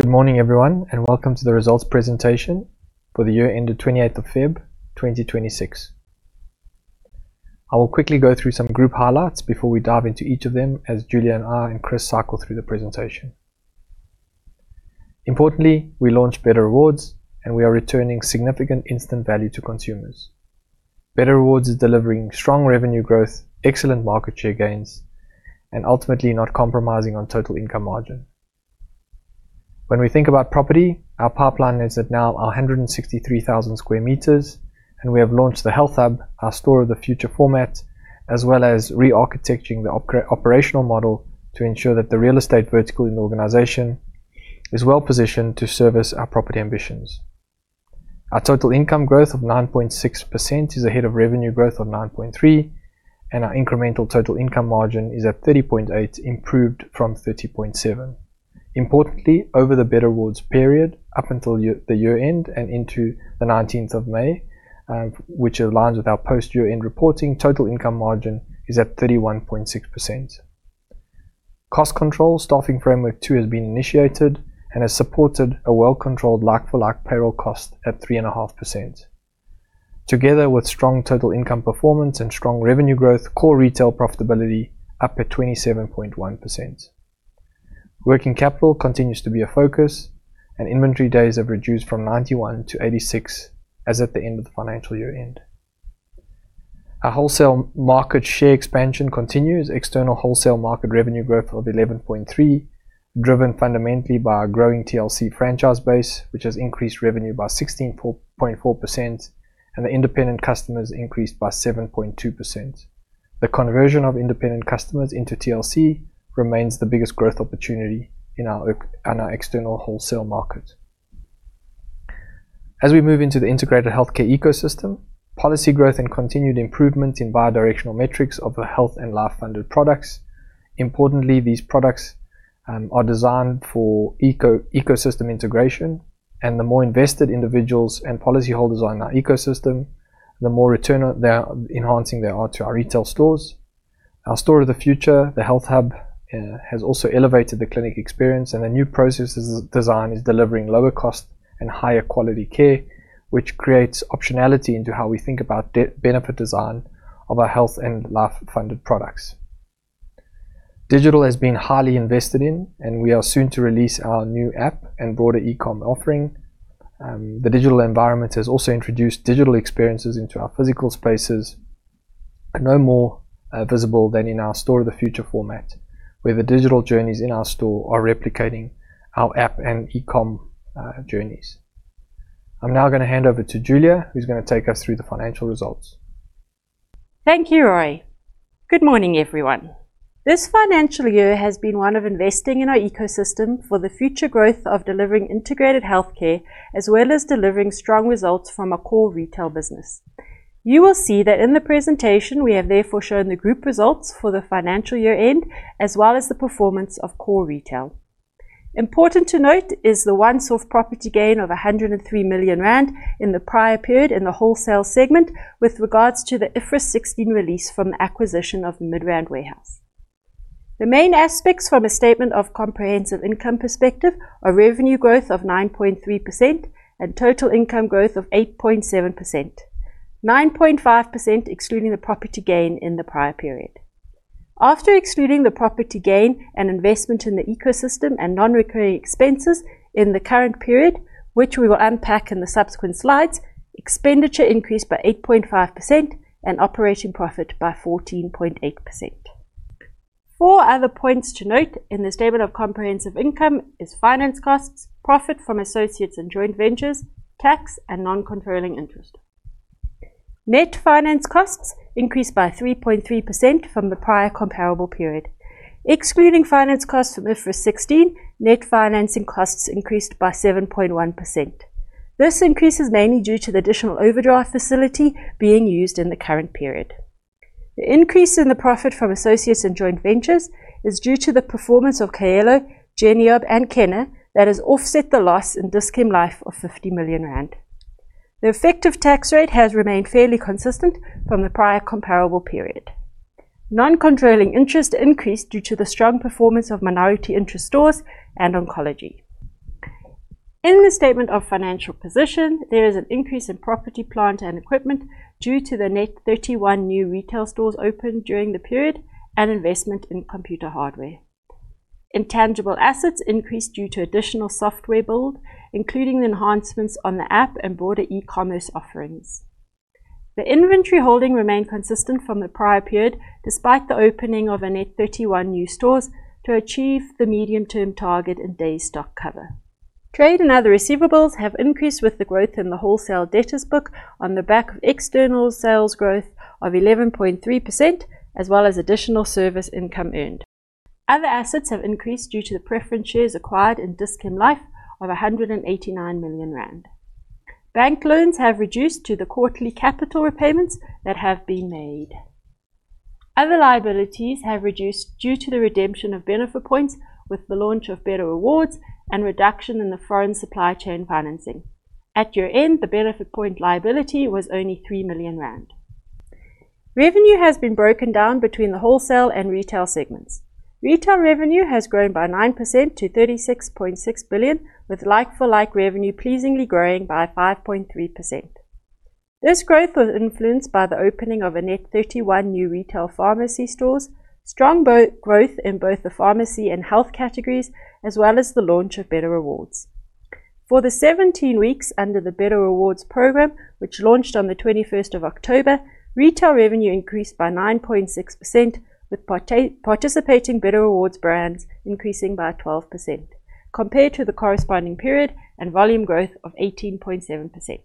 Good morning, everyone, and welcome to the results presentation for the year ended 28th of Feb 2026. I will quickly go through some group highlights before we dive into each of them as Julia and I and Chris cycle through the presentation. Importantly, we launched Better Rewards, and we are returning significant instant value to consumers. Better Rewards is delivering strong revenue growth, excellent market share gains, and ultimately not compromising on total income margin. When we think about property, our pipeline is at now 163,000 sq m, and we have launched the Health Hub, our Store of the Future format, as well as re-architecturing the operational model to ensure that the real estate vertical in the organization is well-positioned to service our property ambitions. Our total income growth of 9.6% is ahead of revenue growth of 9.3%, and our incremental total income margin is at 30.8%, improved from 30.7%. Importantly, over the Better Rewards period, up until the year-end and into the 19th of May, which aligns with our post-year-end reporting, total income margin is at 31.6%. Cost control Staffing Framework 2.0 has been initiated and has supported a well-controlled like-for-like payroll cost at 3.5%. Together with strong total income performance and strong revenue growth, core retail profitability up at 27.1%. Working capital continues to be a focus and inventory days have reduced from 91 to 86 as at the end of the financial year end. Our wholesale market share expansion continues external wholesale market revenue growth of 11.3%, driven fundamentally by our growing The Local Choice franchise base, which has increased revenue by 16.4%, and the independent customers increased by 7.2%. The conversion of independent customers into The Local Choice remains the biggest growth opportunity on our external wholesale market. As we move into the integrated healthcare ecosystem, policy growth and continued improvement in bi-directional metrics of the health and life-funded products. Importantly, these products are designed for ecosystem integration, and the more invested individuals and policyholders on our ecosystem, the more return they are enhancing there are to our retail stores. Our Store of the Future, the Health Hub, has also elevated the clinic experience, and the new process design is delivering lower cost and higher quality care, which creates optionality into how we think about benefit design of our health and life-funded products. Digital has been highly invested in, and we are soon to release our new app and broader e-com offering. The digital environment has also introduced digital experiences into our physical spaces no more visible than in our Store of the Future format, where the digital journeys in our store are replicating our app and e-com journeys. I'm now going to hand over to Julia, who's going to take us through the financial results. Thank you, Rui. Good morning, everyone. This financial year has been one of investing in our ecosystem for the future growth of delivering integrated healthcare, as well as delivering strong results from our core retail business. You will see that in the presentation, we have therefore shown the group results for the financial year end, as well as the performance of core retail. Important to note is the once-off property gain of 103 million rand in the prior period in the wholesale segment with regards to the IFRS 16 release from acquisition of Midrand Warehouse. The main aspects from a statement of comprehensive income perspective are revenue growth of 9.3% and total income growth of 8.7%. 9.5% excluding the property gain in the prior period. After excluding the property gain and investment in the ecosystem and non-recurring expenses in the current period, which we will unpack in the subsequent slides, expenditure increased by 8.5% and operating profit by 14.8%. Four other points to note in the statement of comprehensive income is finance costs, profit from associates and joint ventures, tax, and non-controlling interest. Net finance costs increased by 3.3% from the prior comparable period. Excluding finance costs from IFRS 16, net financing costs increased by 7.1%. This increase is mainly due to the additional overdraft facility being used in the current period. The increase in the profit from associates and joint ventures is due to the performance of Kaelo, Geneop, and Kenne that has offset the loss in Dis-Chem Life of 50 million rand. The effective tax rate has remained fairly consistent from the prior comparable period. Non-controlling interest increased due to the strong performance of minority interest stores and oncology. In the statement of financial position, there is an increase in property, plant, and equipment due to the net 31 new retail stores opened during the period and investment in computer hardware. Intangible assets increased due to additional software build, including the enhancements on the app and broader e-commerce offerings. The inventory holding remained consistent from the prior period, despite the opening of a net 31 new stores to achieve the medium-term target in day stock cover. Trade and other receivables have increased with the growth in the wholesale debtors book on the back of external sales growth of 11.3% as well as additional service income earned. Other assets have increased due to the preference shares acquired in Dis-Chem Life of 189 million rand. Bank loans have reduced due to the quarterly capital repayments that have been made. Other liabilities have reduced due to the redemption of Benefit Points with the launch of Better Rewards and reduction in the foreign supply chain financing. At year end, the Benefit Point liability was only 3 million rand. Revenue has been broken down between the wholesale and retail segments. Retail revenue has grown by 9% to 36.6 billion, with like-for-like revenue pleasingly growing by 5.3%. This growth was influenced by the opening of a net 31 new retail pharmacy stores, strong growth in both the pharmacy and health categories, as well as the launch of Better Rewards. For the 17 weeks under the Better Rewards program, which launched on the 21st of October, retail revenue increased by 9.6%, with participating Better Rewards brands increasing by 12%, compared to the corresponding period and volume growth of 18.7%.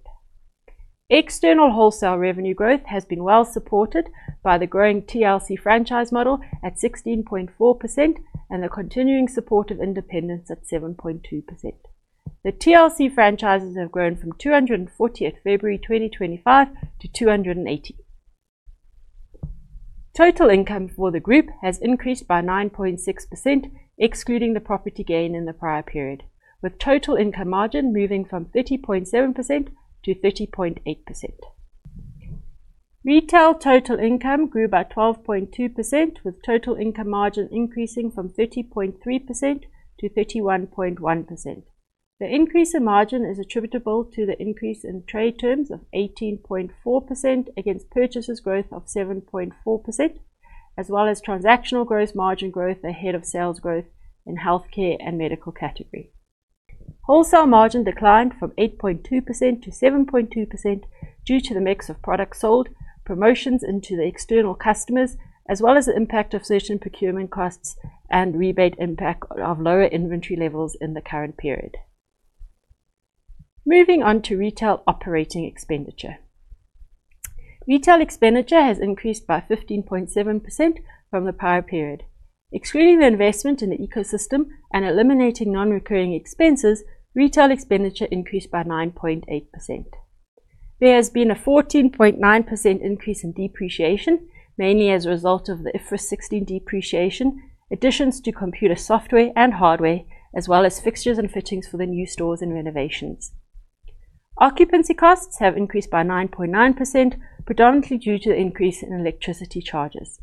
External wholesale revenue growth has been well supported by the growing TLC franchise model at 16.4% and the continuing support of independents at 7.2%. The TLC franchises have grown from 240 at February 2025 to 280. Total income for the group has increased by 9.6%, excluding the property gain in the prior period, with total income margin moving from 30.7%-30.8%. Retail total income grew by 12.2%, with total income margin increasing from 30.3%-31.1%. The increase in margin is attributable to the increase in trade terms of 18.4% against purchases growth of 7.4%, as well as transactional gross margin growth ahead of sales growth in the healthcare and medical category. Wholesale margin declined from 8.2% to 7.2% due to the mix of products sold, promotions into the external customers, as well as the impact of certain procurement costs and rebate impact of lower inventory levels in the current period. Moving on to retail operating expenditure. Retail expenditure has increased by 15.7% from the prior period. Excluding the investment in the ecosystem and eliminating non-recurring expenses, retail expenditure increased by 9.8%. There has been a 14.9% increase in depreciation, mainly as a result of the IFRS 16 depreciation, additions to computer software and hardware, as well as fixtures and fittings for the new stores and renovations. Occupancy costs have increased by 9.9%, predominantly due to the increase in electricity charges.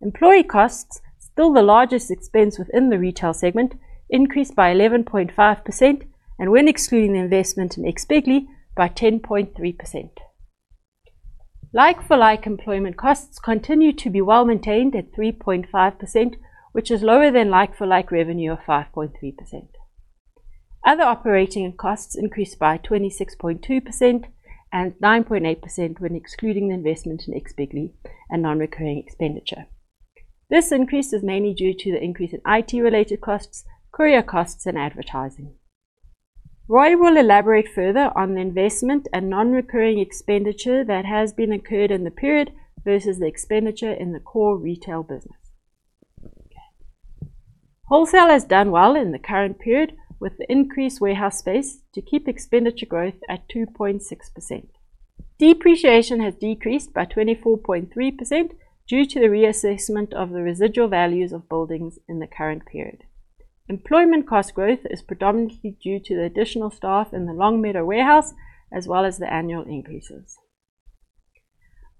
Employee costs, still the largest expense within the retail segment, increased by 11.5%, and when excluding the investment in Expedly, by 10.3%. Like-for-like employment costs continue to be well-maintained at 3.5%, which is lower than like-for-like revenue of 5.3%. Other operating costs increased by 26.2% and 9.8% when excluding the investment in Expedly and non-recurring expenditure. This increase is mainly due to the increase in IT-related costs, courier costs and advertising. Rui will elaborate further on the investment and non-recurring expenditure that has been incurred in the period versus the expenditure in the core retail business. Wholesale has done well in the current period, with the increased warehouse space to keep expenditure growth at 2.6%. Depreciation has decreased by 24.3% due to the reassessment of the residual values of buildings in the current period. Employment cost growth is predominantly due to the additional staff in the Longmeadow warehouse, as well as the annual increases.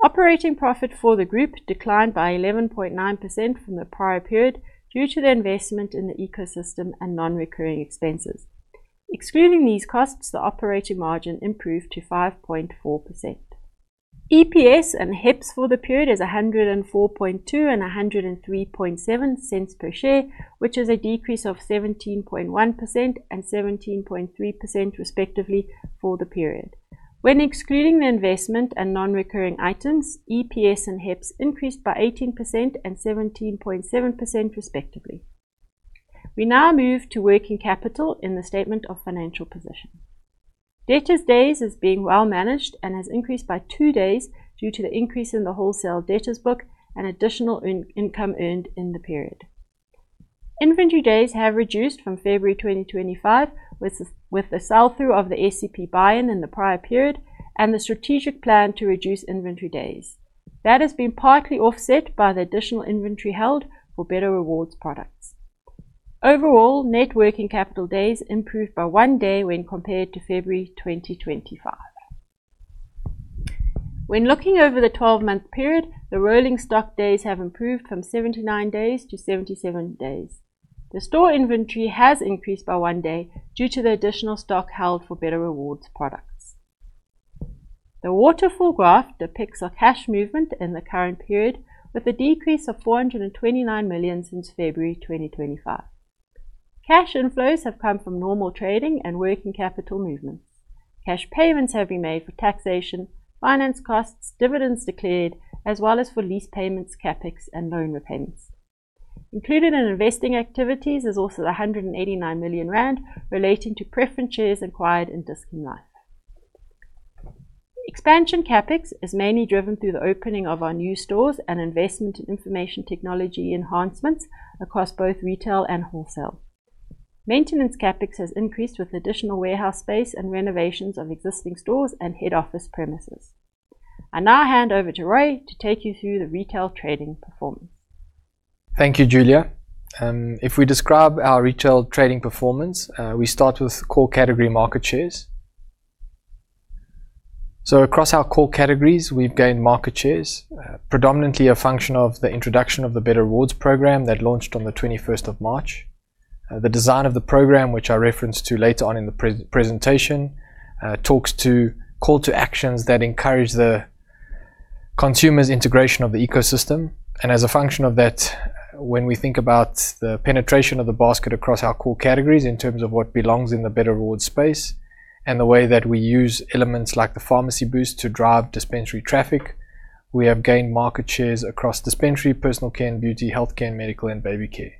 Operating profit for the group declined by 11.9% from the prior period due to the investment in the ecosystem and non-recurring expenses. Excluding these costs, the operating margin improved to 5.4%. EPS and HEPS for the period is 1.042 and 1.037 per share, which is a decrease of 17.1% and 17.3% respectively for the period. When excluding the investment and non-recurring items, EPS and HEPS increased by 18% and 17.7% respectively. We now move to working capital in the statement of financial position. Debtors days is being well managed and has increased by two days due to the increase in the wholesale debtors book and additional income earned in the period. Inventory days have reduced from February 2025, with the sell-through of the SEP buy-in in the prior period and the strategic plan to reduce inventory days. That has been partly offset by the additional inventory held for Better Rewards products. Overall, net working capital days improved by one day when compared to February 2025. When looking over the 12-month period, the rolling stock days have improved from 79 days to 77 days. The store inventory has increased by one day due to the additional stock held for Better Rewards products. The waterfall graph depicts our cash movement in the current period with a decrease of 429 million since February 2025. Cash inflows have come from normal trading and working capital movement. Cash payments have been made for taxation, finance costs, dividends declared, as well as for lease payments, CapEx and loan repayments. Included in investing activities is also the 189 million rand relating to preference shares acquired in Dis-Chem Life. Expansion CapEx is mainly driven through the opening of our new stores and investment in information technology enhancements across both retail and wholesale. Maintenance CapEx has increased with additional warehouse space and renovations of existing stores and head office premises. I now hand over to Rui to take you through the retail trading performance. Thank you, Julia. If we describe our retail trading performance, we start with core category market shares. Across our core categories, we've gained market shares, predominantly a function of the introduction of the Better Rewards program that launched on the 21st of March. The design of the program, which I reference to later on in the presentation, talks to call to actions that encourage the consumer's integration of the ecosystem and as a function of that, when we think about the penetration of the basket across our core categories in terms of what belongs in the Better Rewards space, and the way that we use elements like the Pharmacy Boost to drive dispensary traffic, we have gained market shares across dispensary, personal care and beauty, healthcare and medical, and baby care.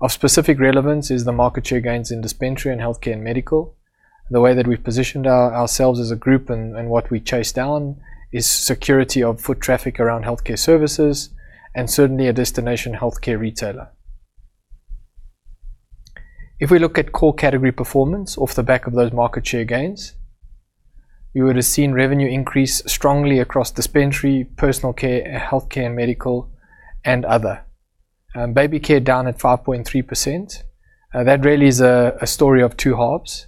Of specific relevance is the market share gains in dispensary and healthcare and medical. The way that we've positioned ourselves as a group and what we chase down is security of foot traffic around healthcare services and certainly a destination healthcare retailer. If we look at core category performance off the back of those market share gains, you would have seen revenue increase strongly across dispensary, personal care, healthcare and medical, and other. Baby care down at 5.3%. That really is a story of two halves.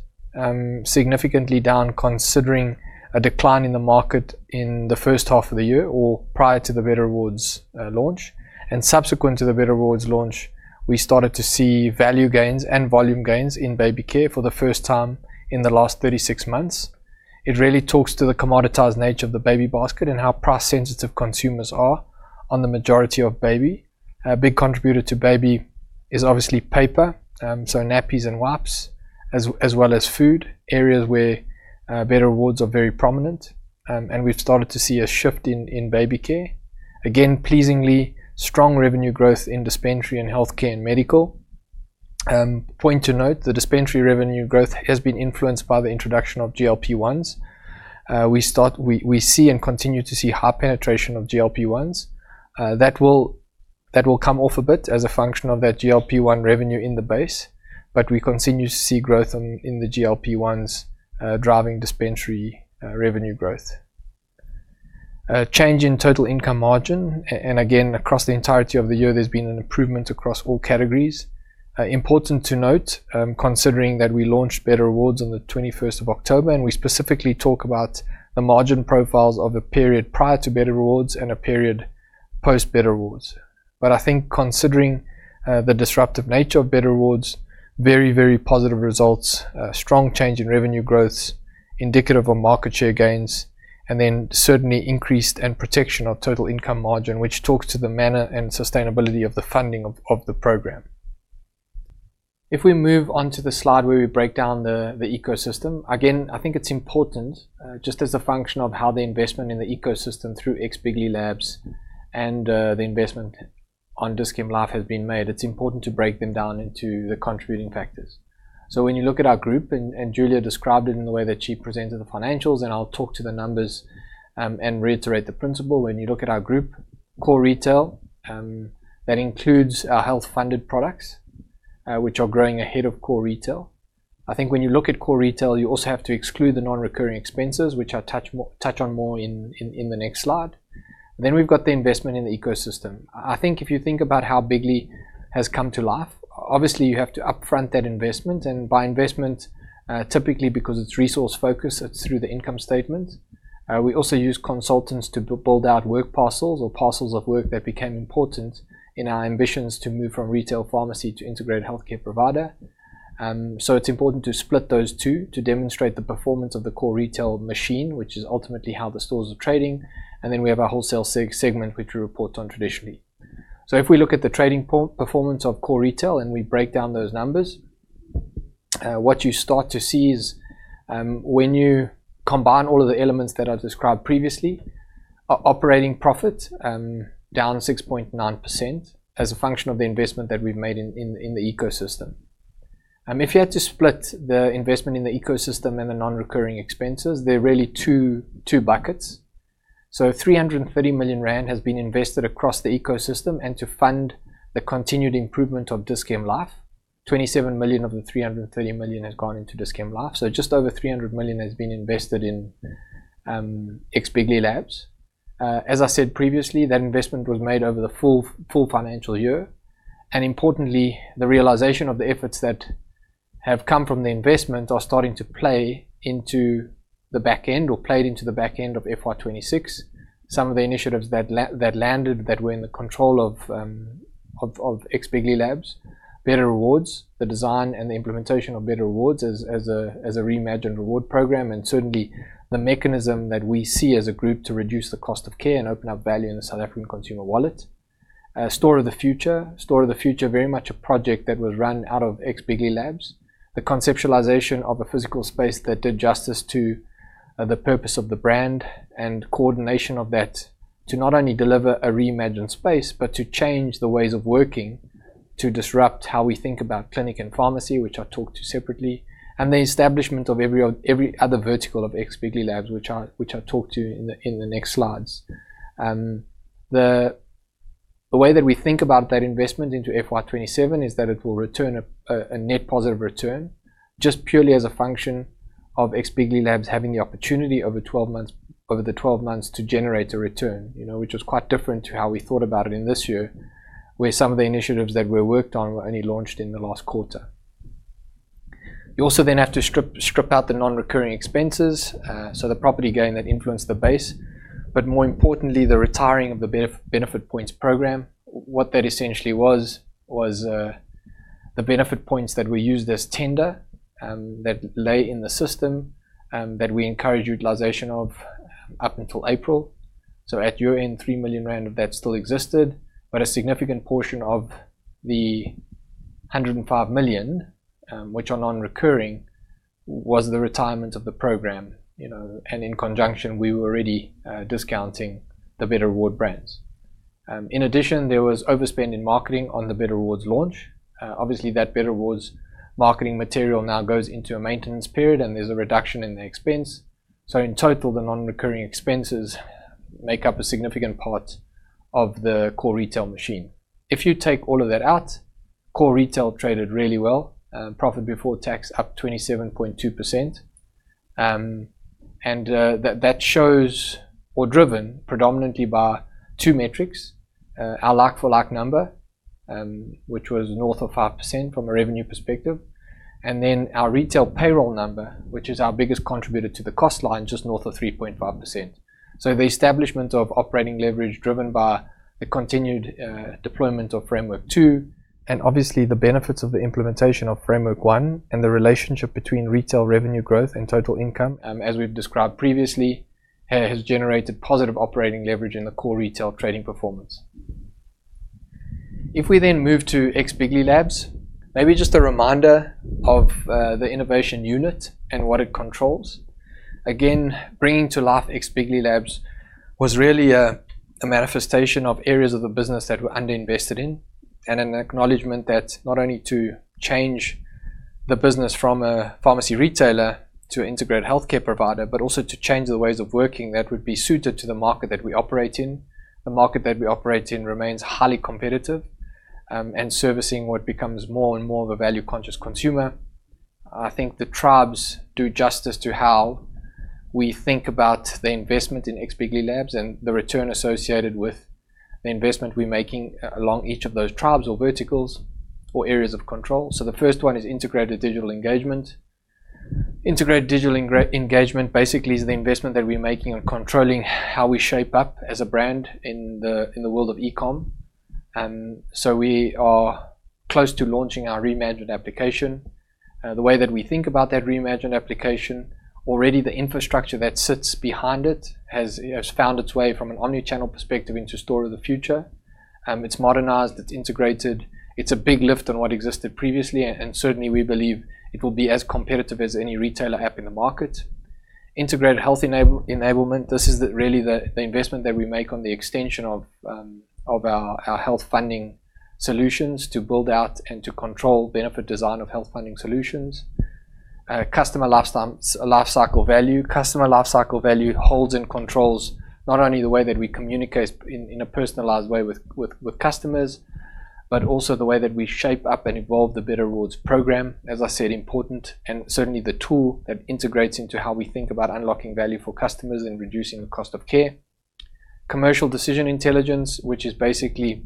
Significantly down, considering a decline in the market in the first half of the year or prior to the Better Rewards launch. Subsequent to the Better Rewards launch, we started to see value gains and volume gains in baby care for the first time in the last 36 months. It really talks to the commoditized nature of the baby basket and how price-sensitive consumers are on the majority of baby. A big contributor to baby is obviously paper, so nappies and wipes, as well as food, areas where Better Rewards are very prominent. We've started to see a shift in baby care. Again, pleasingly strong revenue growth in dispensary and healthcare and medical. Point to note, the dispensary revenue growth has been influenced by the introduction of GLP-1s. We see and continue to see high penetration of GLP-1s. That will come off a bit as a function of that GLP-1 revenue in the base, but we continue to see growth in the GLP-1s driving dispensary revenue growth. Change in total income margin, and again, across the entirety of the year, there's been an improvement across all categories. Important to note, considering that we launched Better Rewards on the 21st of October, and we specifically talk about the margin profiles of the period prior to Better Rewards and a period post Better Rewards. I think considering the disruptive nature of Better Rewards, very, very positive results, strong change in revenue growths, indicative of market share gains, and then certainly increased and protection of total income margin, which talks to the manner and sustainability of the funding of the program. If we move on to the slide where we break down the ecosystem, again, I think it's important, just as a function of how the investment in the ecosystem through X, Bigly Labs and the investment on Dis-Chem Life has been made. It's important to break them down into the contributing factors. When you look at our group, and Julia described it in the way that she presented the financials, and I'll talk to the numbers and reiterate the principle. When you look at our group, core retail, that includes our health-funded products, which are growing ahead of core retail. I think when you look at core retail, you also have to exclude the non-recurring expenses, which I'll touch on more in the next slide. We've got the investment in the ecosystem. I think if you think about how Bigly has come to life, obviously you have to upfront that investment, and by investment, typically because it's resource-focused, it's through the income statement. We also use consultants to build out work parcels or parcels of work that became important in our ambitions to move from retail pharmacy to integrated healthcare provider. It's important to split those two to demonstrate the performance of the core retail machine, which is ultimately how the stores are trading. Then we have our wholesale segment, which we report on traditionally. If we look at the trading performance of core retail and we break down those numbers, what you start to see is when you combine all of the elements that I've described previously, our operating profit down 6.9% as a function of the investment that we've made in the ecosystem. If you had to split the investment in the ecosystem and the non-recurring expenses, they're really two buckets. 330 million rand has been invested across the ecosystem and to fund the continued improvement of Dis-Chem Life. 27 million of the 330 million has gone into Dis-Chem Life. Just over 300 million has been invested in X, Bigly Labs. As I said previously, that investment was made over the full financial year, and importantly, the realization of the efforts that have come from the investment are starting to play into the back end or played into the back end of FY 2026. Some of the initiatives that landed that were in the control of X, Bigly Labs, Better Rewards, the design and the implementation of Better Rewards as a reimagined reward program, and certainly the mechanism that we see as a group to reduce the cost of care and open up value in the South African consumer wallet. Store of the Future. Store of the Future, very much a project that was run out of X,Bigly Labs. The conceptualization of a physical space that did justice to the purpose of the brand and coordination of that to not only deliver a reimagined space, but to change the ways of working, to disrupt how we think about clinic and pharmacy, which I'll talk to separately, and the establishment of every other vertical of X, Bigly Labs, which I'll talk to you in the next slides. The way that we think about that investment into FY 2027 is that it will return a net positive return just purely as a function of X, Bigly Labs having the opportunity over the 12 months to generate a return, which was quite different to how we thought about it in this year, where some of the initiatives that were worked on were only launched in the last quarter. You also then have to strip out the non-recurring expenses, so the property gain that influenced the base, but more importantly, the retiring of the Benefit Points program. What that essentially was the benefit points that we used as tender that lay in the system, that we encourage utilization of up until April. At year-end, 3 million rand of that still existed, but a significant portion of the 105 million, which are non-recurring, was the retirement of the program. In conjunction, we were already discounting the Better Rewards brands. In addition, there was overspend in marketing on the Better Rewards launch. Obviously, that Better Rewards marketing material now goes into a maintenance period, and there's a reduction in the expense. In total, the non-recurring expenses make up a significant part of the core retail machine. If you take all of that out, core retail traded really well. Profit before tax up 27.2%. That shows or driven predominantly by two metrics, our like-for-like number, which was north of 5% from a revenue perspective, and then our retail payroll number, which is our biggest contributor to the cost line, just north of 3.5%. The establishment of operating leverage driven by the continued deployment of Framework 2 and obviously the benefits of the implementation of Framework 1 and the relationship between retail revenue growth and total income, as we've described previously, has generated positive operating leverage in the core retail trading performance. If we then move to X, Bigly Labs, maybe just a reminder of the innovation unit and what it controls. Bringing to life X, Bigly Labs was really a manifestation of areas of the business that were under-invested in and an acknowledgment that not only to change the business from a pharmacy retailer to integrated healthcare provider, but also to change the ways of working that would be suited to the market that we operate in. The market that we operate in remains highly competitive, and servicing what becomes more and more of a value-conscious consumer. I think the tribes do justice to how we think about the investment in X, Bigly Labs and the return associated with the investment we're making along each of those tribes or verticals or areas of control. The first one is integrated digital engagement. Integrated digital engagement basically is the investment that we're making on controlling how we shape up as a brand in the world of e-com. We are close to launching our reimagined application. The way that we think about that reimagined application, already the infrastructure that sits behind it has found its way from an omni-channel perspective into Store of the Future. It's modernized, it's integrated. It's a big lift on what existed previously, and certainly, we believe it will be as competitive as any retailer app in the market. Integrated health enablement. This is really the investment that we make on the extension of our health funding solutions to build out and to control benefit design of health funding solutions. Customer lifecycle value. Customer lifecycle value holds and controls not only the way that we communicate in a personalized way with customers, but also the way that we shape up and evolve the Better Rewards program, as I said, important, and certainly the tool that integrates into how we think about unlocking value for customers and reducing the cost of care. Commercial decision intelligence, which is basically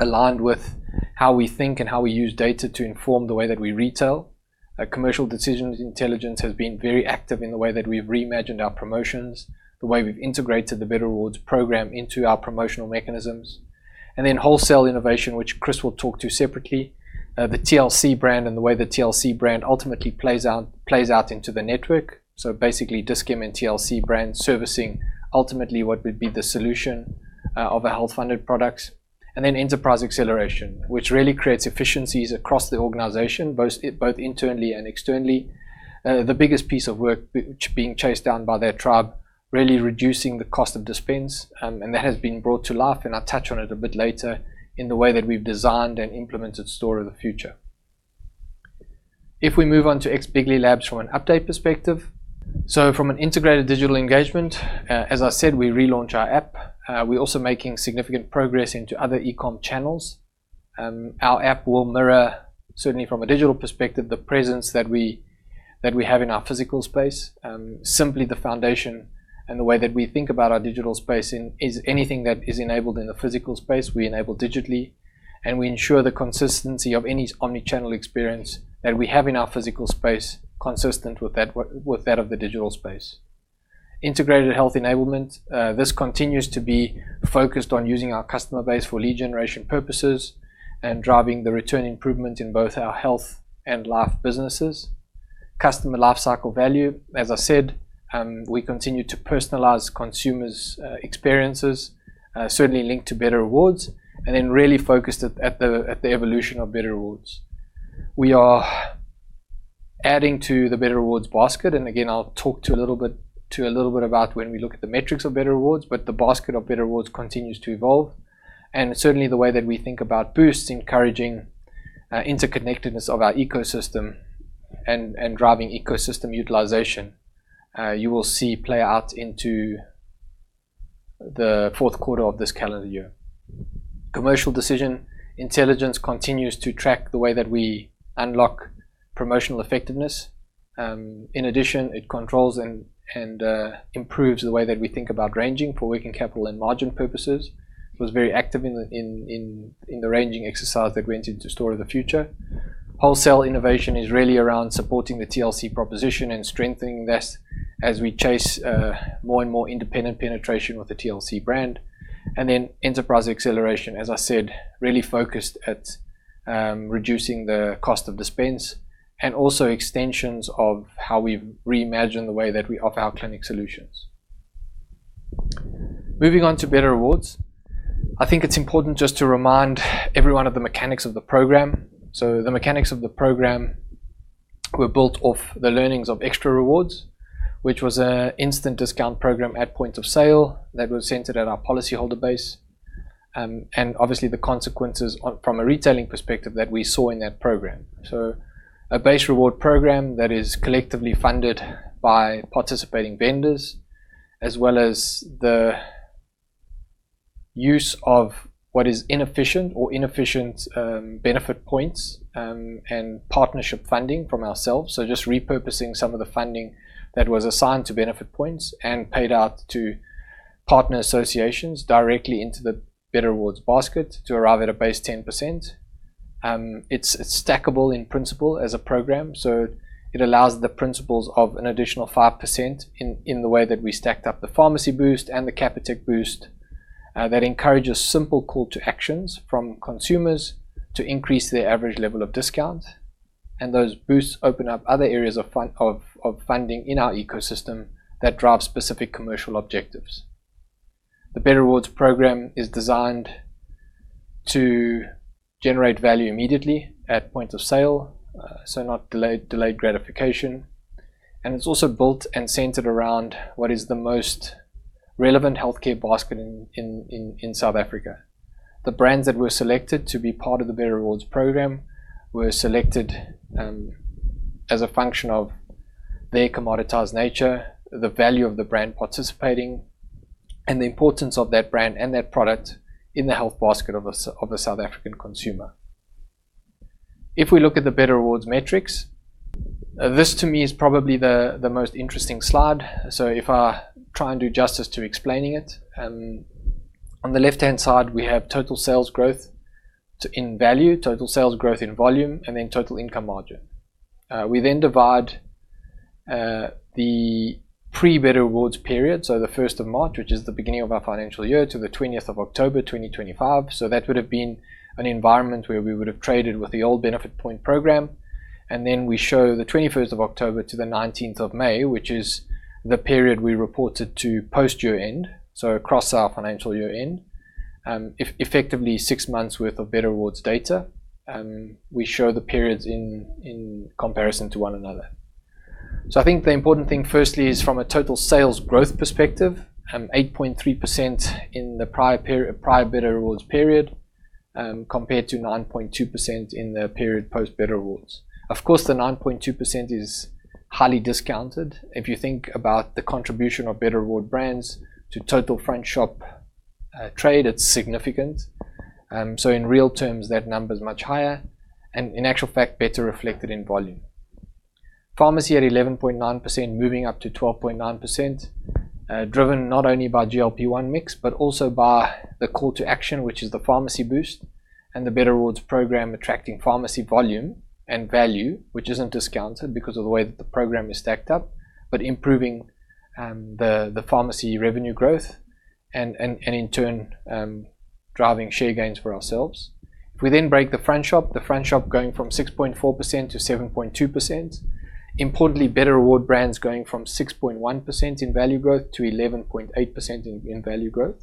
aligned with how we think and how we use data to inform the way that we retail. Commercial decisions intelligence has been very active in the way that we've reimagined our promotions, the way we've integrated the Better Rewards program into our promotional mechanisms. Wholesale innovation, which Chris will talk to separately. The TLC brand and the way the TLC brand ultimately plays out into the network. Dis-Chem and TLC brand servicing ultimately what would be the solution of our health-funded products. Enterprise acceleration, which really creates efficiencies across the organization, both internally and externally. The biggest piece of work being chased down by their tribe, really reducing the cost of dispense, and that has been brought to life, and I'll touch on it a bit later in the way that we've designed and implemented Store of the Future. If we move on to X,bigly labs from an update perspective. From an integrated digital engagement, as I said, we relaunch our app. We're also making significant progress into other e-com channels. Our app will mirror, certainly from a digital perspective, the presence that we have in our physical space. Simply the foundation and the way that we think about our digital space is anything that is enabled in a physical space, we enable digitally, and we ensure the consistency of any omnichannel experience that we have in our physical space consistent with that of the digital space. Integrated health enablement. This continues to be focused on using our customer base for lead generation purposes and driving the return improvement in both our health and Life businesses. Customer lifecycle value. As I said, we continue to personalize consumers' experiences, certainly linked to Better Rewards, and then really focused at the evolution of Better Rewards. We are adding to the Better Rewards basket, and again, I'll talk to a little bit about when we look at the metrics of Better Rewards, but the basket of Better Rewards continues to evolve, and certainly the way that we think about boosts encouraging interconnectedness of our ecosystem and driving ecosystem utilization, you will see play out into the fourth quarter of this calendar year. Commercial decision intelligence continues to track the way that we unlock promotional effectiveness. In addition, it controls and improves the way that we think about ranging for working capital and margin purposes. It was very active in the ranging exercise that went into Store of the Future. Wholesale innovation is really around supporting the TLC proposition and strengthening this as we chase more and independent penetration with the TLC brand. Enterprise acceleration, as I said, really focused at reducing the cost of dispense and also extensions of how we've reimagined the way that we offer our clinic solutions. Moving on to Better Rewards, I think it's important just to remind everyone of the mechanics of the program. The mechanics of the program were built off the learnings of extraRewards, which was an instant discount program at point of sale that was centered at our policyholder base, and obviously the consequences from a retailing perspective that we saw in that program. A base reward program that is collectively funded by participating vendors as well as the use of what is inefficient or inefficient Benefit Points and partnership funding from ourselves. Just repurposing some of the funding that was assigned to Benefit Points and paid out to partner associations directly into the Better Rewards basket to arrive at a base 10%. It's stackable in principle as a program, so it allows the principles of an additional 5% in the way that we stacked up the Pharmacy Boost and the Capitec boost that encourages simple call to actions from consumers to increase their average level of discount. Those boosts open up other areas of funding in our ecosystem that drive specific commercial objectives. The Better Rewards program is designed to generate value immediately at point of sale, so not delayed gratification. It's also built and centered around what is the most relevant healthcare basket in South Africa. The brands that were selected to be part of the Better Rewards program were selected, as a function of their commoditized nature, the value of the brand participating, and the importance of that brand and that product in the health basket of a South African consumer. If we look at the Better Rewards metrics, this to me is probably the most interesting slide. If I try and do justice to explaining it, on the left-hand side, we have total sales growth in value, total sales growth in volume, and then total income margin. We then divide the pre-Better Rewards period, so the 1st of March, which is the beginning of our financial year, to the 20th of October 2025. That would have been an environment where we would have traded with the old Benefit Points program. We show the 21st of October to the 19th of May, which is the period we reported to post year-end, so across our financial year-end, effectively six months' worth of Better Rewards data. We show the periods in comparison to one another. I think the important thing firstly is from a total sales growth perspective, 8.3% in the prior Better Rewards period, compared to 9.2% in the period post Better Rewards. Of course, the 9.2% is highly discounted. If you think about the contribution of Better Reward brands to total front shop trade, it's significant. In real terms, that number is much higher and in actual fact, better reflected in volume. Pharmacy at 11.9% moving up to 12.9%, driven not only by GLP-1 mix, but also by the call to action, which is the Pharmacy Boost and the Better Rewards program attracting pharmacy volume and value, which isn't discounted because of the way that the program is stacked up, but improving the pharmacy revenue growth and in turn, driving share gains for ourselves. We then break the front shop, the front shop going from 6.4% to 7.2%. Importantly, Better Rewards brands going from 6.1% in value growth to 11.8% in value growth.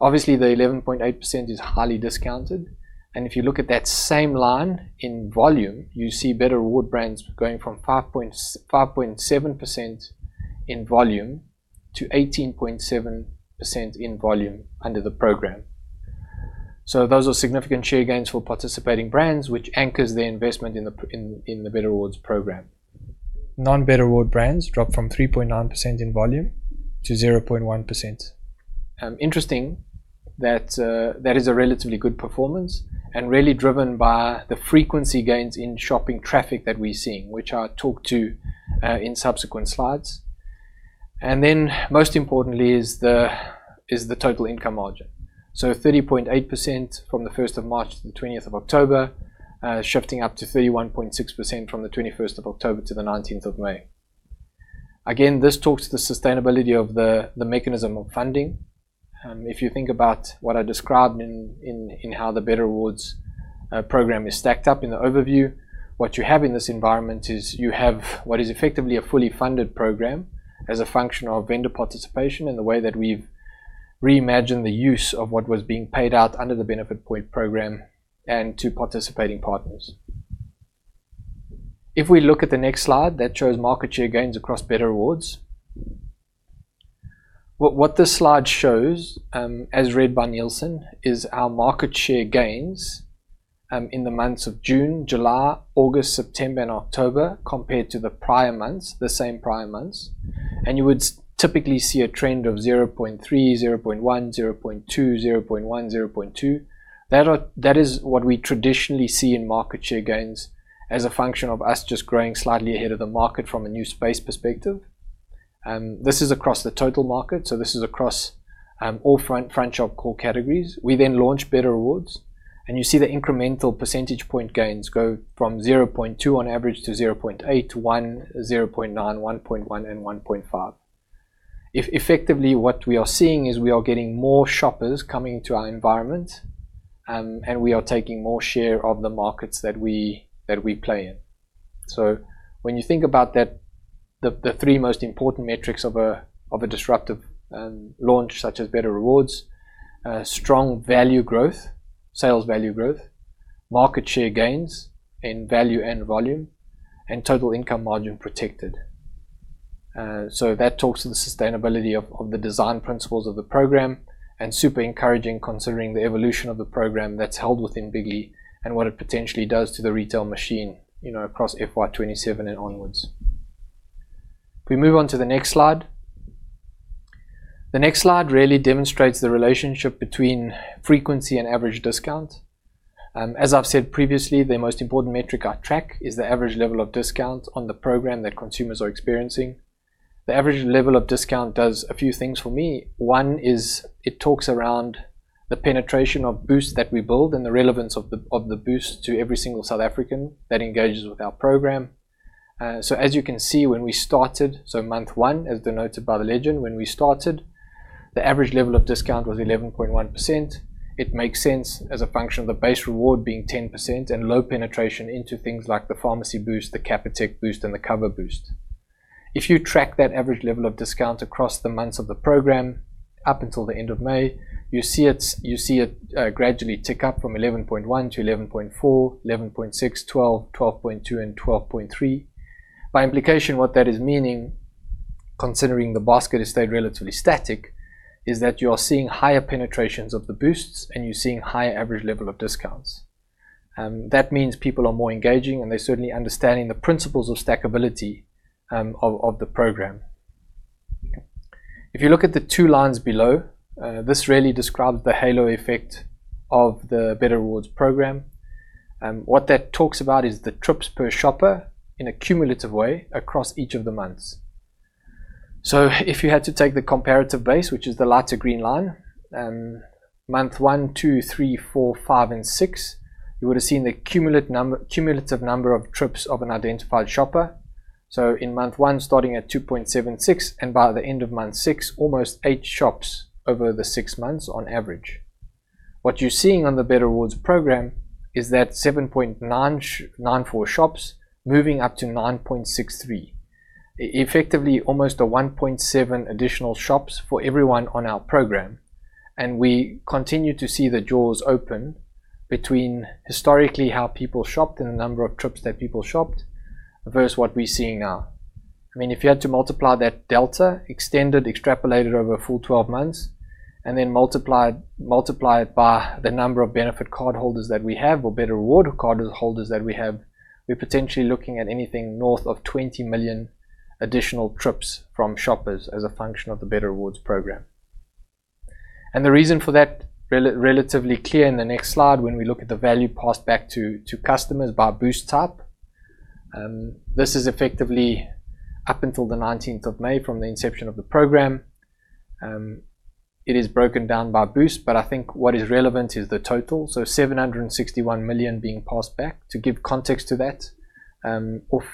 Obviously, the 11.8% is highly discounted. If you look at that same line in volume, you see Better Rewards brands going from 5.7% in volume to 18.7% in volume under the program. Those are significant share gains for participating brands, which anchors their investment in the Better Rewards program. Non-Better Rewards brands dropped from 3.9% in volume to 0.1%. Interesting that that is a relatively good performance and really driven by the frequency gains in shopping traffic that we're seeing which I'll talk to in subsequent slides. Most importantly is the total income margin. 30.8% from the 1st of March to the 20th of October, shifting up to 31.6% from the 21st of October to the 19th of May. Again, this talks to the sustainability of the mechanism of funding. If you think about what I described in how the Better Rewards program is stacked up in the overview, what you have in this environment is you have what is effectively a fully funded program as a function of vendor participation in the way that we've reimagined the use of what was being paid out under the Benefit Points program and to participating partners. If we look at the next slide that shows market share gains across Better Rewards. What this slide shows, as read by Nielsen, is our market share gains in the months of June, July, August, September, and October compared to the same prior months. You would typically see a trend of 0.3, 0.1, 0.2, 0.1, 0.2. That is what we traditionally see in market share gains as a function of us just growing slightly ahead of the market from a new space perspective. This is across the total market. This is across all front shop core categories. We then launch Better Rewards, and you see the incremental percentage point gains go from 0.2 on average to 0.8, one, 0.9, 1.1, and 1.5. Effectively, what we are seeing is we are getting more shoppers coming to our environment, and we are taking more share of the markets that we play in. When you think about the three most important metrics of a disruptive launch such as Better Rewards, strong value growth, sales value growth, market share gains in value and volume, and total income margin protected. That talks to the sustainability of the design principles of the program and super encouraging considering the evolution of the program that's held within Bigly and what it potentially does to the retail machine across FY27 and onwards. We move on to the next slide. The next slide really demonstrates the relationship between frequency and average discount. As I've said previously, the most important metric I track is the average level of discount on the program that consumers are experiencing. The average level of discount does a few things for me. One is it talks around the penetration of boost that we build and the relevance of the boost to every single South African that engages with our program. As you can see when we started, month 1 as denoted by the legend, when we started, the average level of discount was 11.1%. It makes sense as a function of the base reward being 10% and low penetration into things like the Pharmacy Boost, the Capitec boost, and the Cover boost. If you track that average level of discount across the months of the program, up until the end of May, you see it gradually tick up from 11.1% to 11.4%, 11.6%, 12%, 12.2%, and 12.3%. By implication, what that is meaning, considering the basket has stayed relatively static, is that you are seeing higher penetrations of the boosts and you're seeing higher average level of discounts. That means people are more engaging and they're certainly understanding the principles of stackability of the program. If you look at the two lines below, this really describes the halo effect of the Better Rewards program. What that talks about is the trips per shopper in a cumulative way across each of the months. If you had to take the comparative base, which is the lighter green line, month one, two, three, four, five, and six, you would've seen the cumulative number of trips of an identified shopper. In month one, starting at 2.76, and by the end of month six, almost eight shops over the six months on average. What you're seeing on the Better Rewards program is that 7.94 shops moving up to 9.63. Effectively, almost a 1.7 additional shops for everyone on our program. We continue to see the jaws open between historically how people shopped and the number of trips that people shopped versus what we're seeing now. If you had to multiply that delta extended, extrapolated over a full 12 months, and then multiply it by the number of benefit card holders that we have or Better Rewards card holders that we have, we're potentially looking at anything north of 20 million additional trips from shoppers as a function of the Better Rewards program. The reason for that relatively clear in the next slide when we look at the value passed back to customers by boost type. This is effectively up until the 19th of May from the inception of the program. It is broken down by boost, but I think what is relevant is the total, so 761 million being passed back. To give context to that, off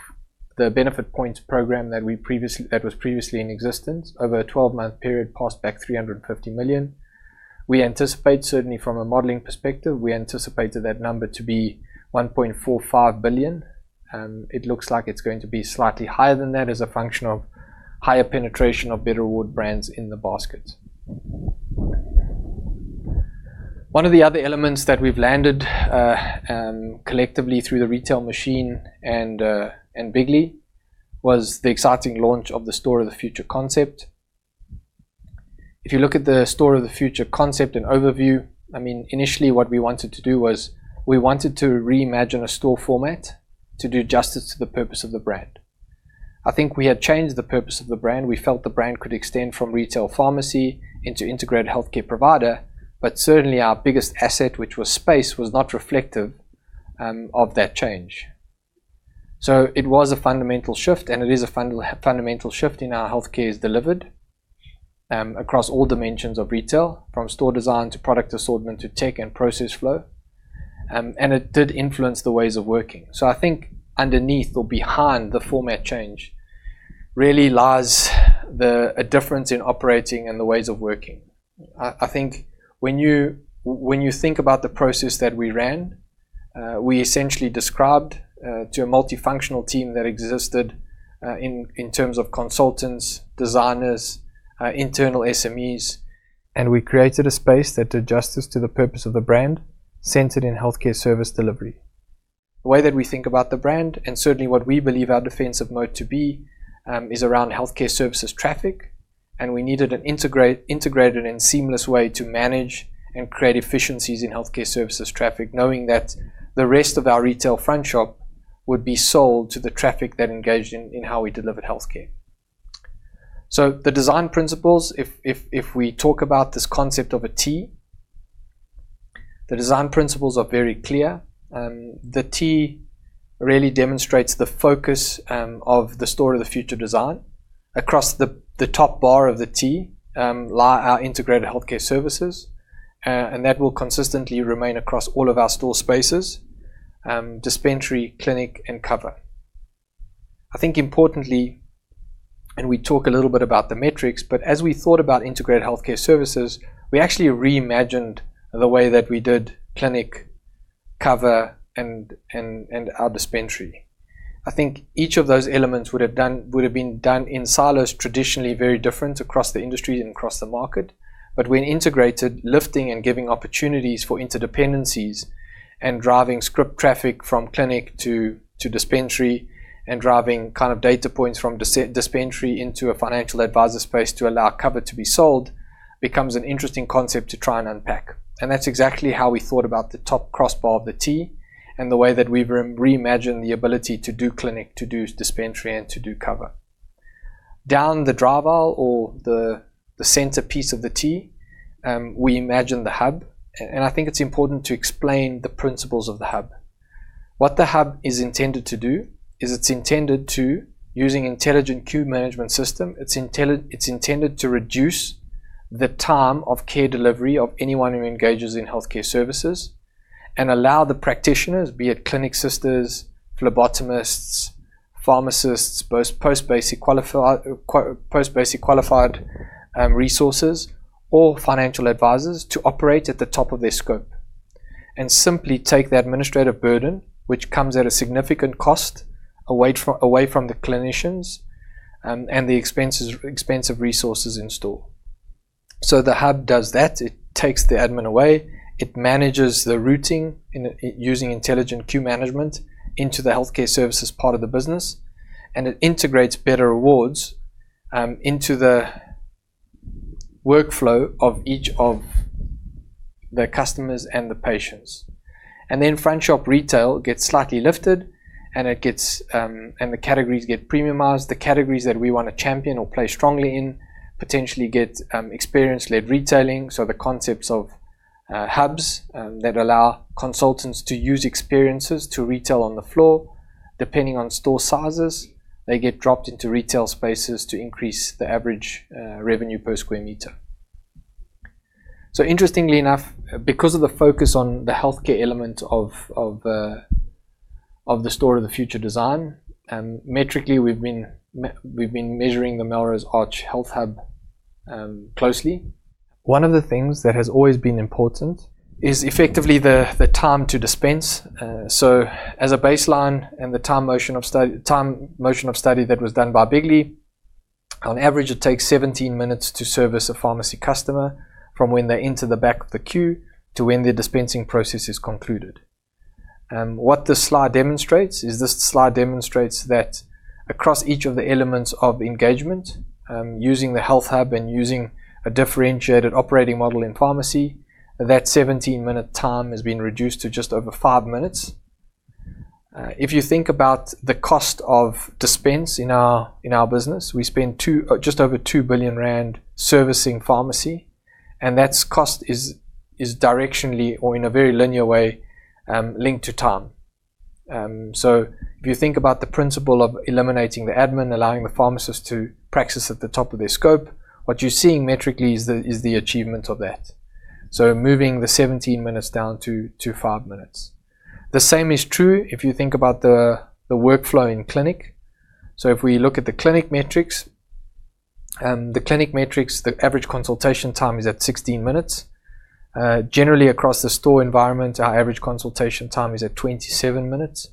the Benefit Points program that was previously in existence over a 12-month period passed back 350 million. Certainly from a modeling perspective, we anticipated that number to be 1.45 billion. It looks like it's going to be slightly higher than that as a function of higher penetration of Better Rewards brands in the basket. One of the other elements that we've landed collectively through the retail machine and Bigly was the exciting launch of the Store of the Future concept. If you look at the Store of the Future concept and overview, initially what we wanted to do was we wanted to reimagine a store format to do justice to the purpose of the brand. I think we had changed the purpose of the brand. We felt the brand could extend from retail pharmacy into integrated healthcare provider, but certainly our biggest asset, which was space, was not reflective of that change. It was a fundamental shift, and it is a fundamental shift in how healthcare is delivered across all dimensions of retail, from store design to product assortment to tech and process flow. It did influence the ways of working. I think underneath or behind the format change really lies a difference in operating and the ways of working. I think when you think about the process that we ran, we essentially described to a multifunctional team that existed, in terms of consultants, designers, internal SMEs, and we created a space that did justice to the purpose of the brand centered in healthcare service delivery. The way that we think about the brand, and certainly what we believe our defensive mode to be, is around healthcare services traffic, and we needed an integrated and seamless way to manage and create efficiencies in healthcare services traffic, knowing that the rest of our retail front shop would be sold to the traffic that engaged in how we delivered healthcare. The design principles, if we talk about this concept of a T, the design principles are very clear. The T really demonstrates the focus of the Store of the Future design. Across the top bar of the T lie our integrated healthcare services, and that will consistently remain across all of our store spaces, dispensary, clinic, and cover. I think importantly, and we talk a little bit about the metrics, but as we thought about integrated healthcare services, we actually reimagined the way that we did clinic cover and our dispensary. I think each of those elements would have been done in silos traditionally very different across the industry and across the market. When integrated, lifting and giving opportunities for interdependencies and driving script traffic from clinic to dispensary, and driving kind of data points from dispensary into a financial advisor space to allow cover to be sold, becomes an interesting concept to try and unpack. That's exactly how we thought about the top crossbar of the T and the way that we've reimagined the ability to do clinic, to do dispensary, and to do cover. Down the draw bar or the centerpiece of the T, we imagine the hub. I think it's important to explain the principles of the hub. What the hub is intended to do is it's intended to, using intelligent queue management system, it's intended to reduce the time of care delivery of anyone who engages in healthcare services and allow the practitioners, be it clinic sisters, phlebotomists, pharmacists, post-basic qualified resources, or financial advisors to operate at the top of their scope. Simply take the administrative burden, which comes at a significant cost, away from the clinicians and the expensive resources in store. The hub does that. It takes the admin away. It manages the routing using intelligent queue management into the healthcare services part of the business, and it integrates Better Rewards into the workflow of each of the customers and the patients. Front shop retail gets slightly lifted, and the categories get premiumized. The categories that we want to champion or play strongly in potentially get experience-led retailing. The concepts of hubs that allow consultants to use experiences to retail on the floor. Depending on store sizes, they get dropped into retail spaces to increase the average revenue per sq m. Interestingly enough, because of the focus on the healthcare element of the Store of the Future design, metrically we've been measuring the Melrose Arch Health Hub closely. One of the things that has always been important is effectively the time to dispense. As a baseline and the time motion of study that was done by Bigly Labs, on average, it takes 17 minutes to service a pharmacy customer from when they enter the back of the queue to when their dispensing process is concluded. This slide demonstrates that across each of the elements of engagement, using the Health Hub and using a differentiated operating model in pharmacy, that 17-minute time has been reduced to just over five minutes. If you think about the cost of dispense in our business, we spend just over 2 billion rand servicing pharmacy, and that cost is directionally or in a very linear way, linked to time. If you think about the principle of eliminating the admin, allowing the pharmacist to practice at the top of their scope, what you're seeing metrically is the achievement of that. Moving the 17 minutes down to five minutes. The same is true if you think about the workflow in clinic. If we look at the clinic metrics, the average consultation time is at 16 minutes. Generally across the store environment, our average consultation time is at 27 minutes.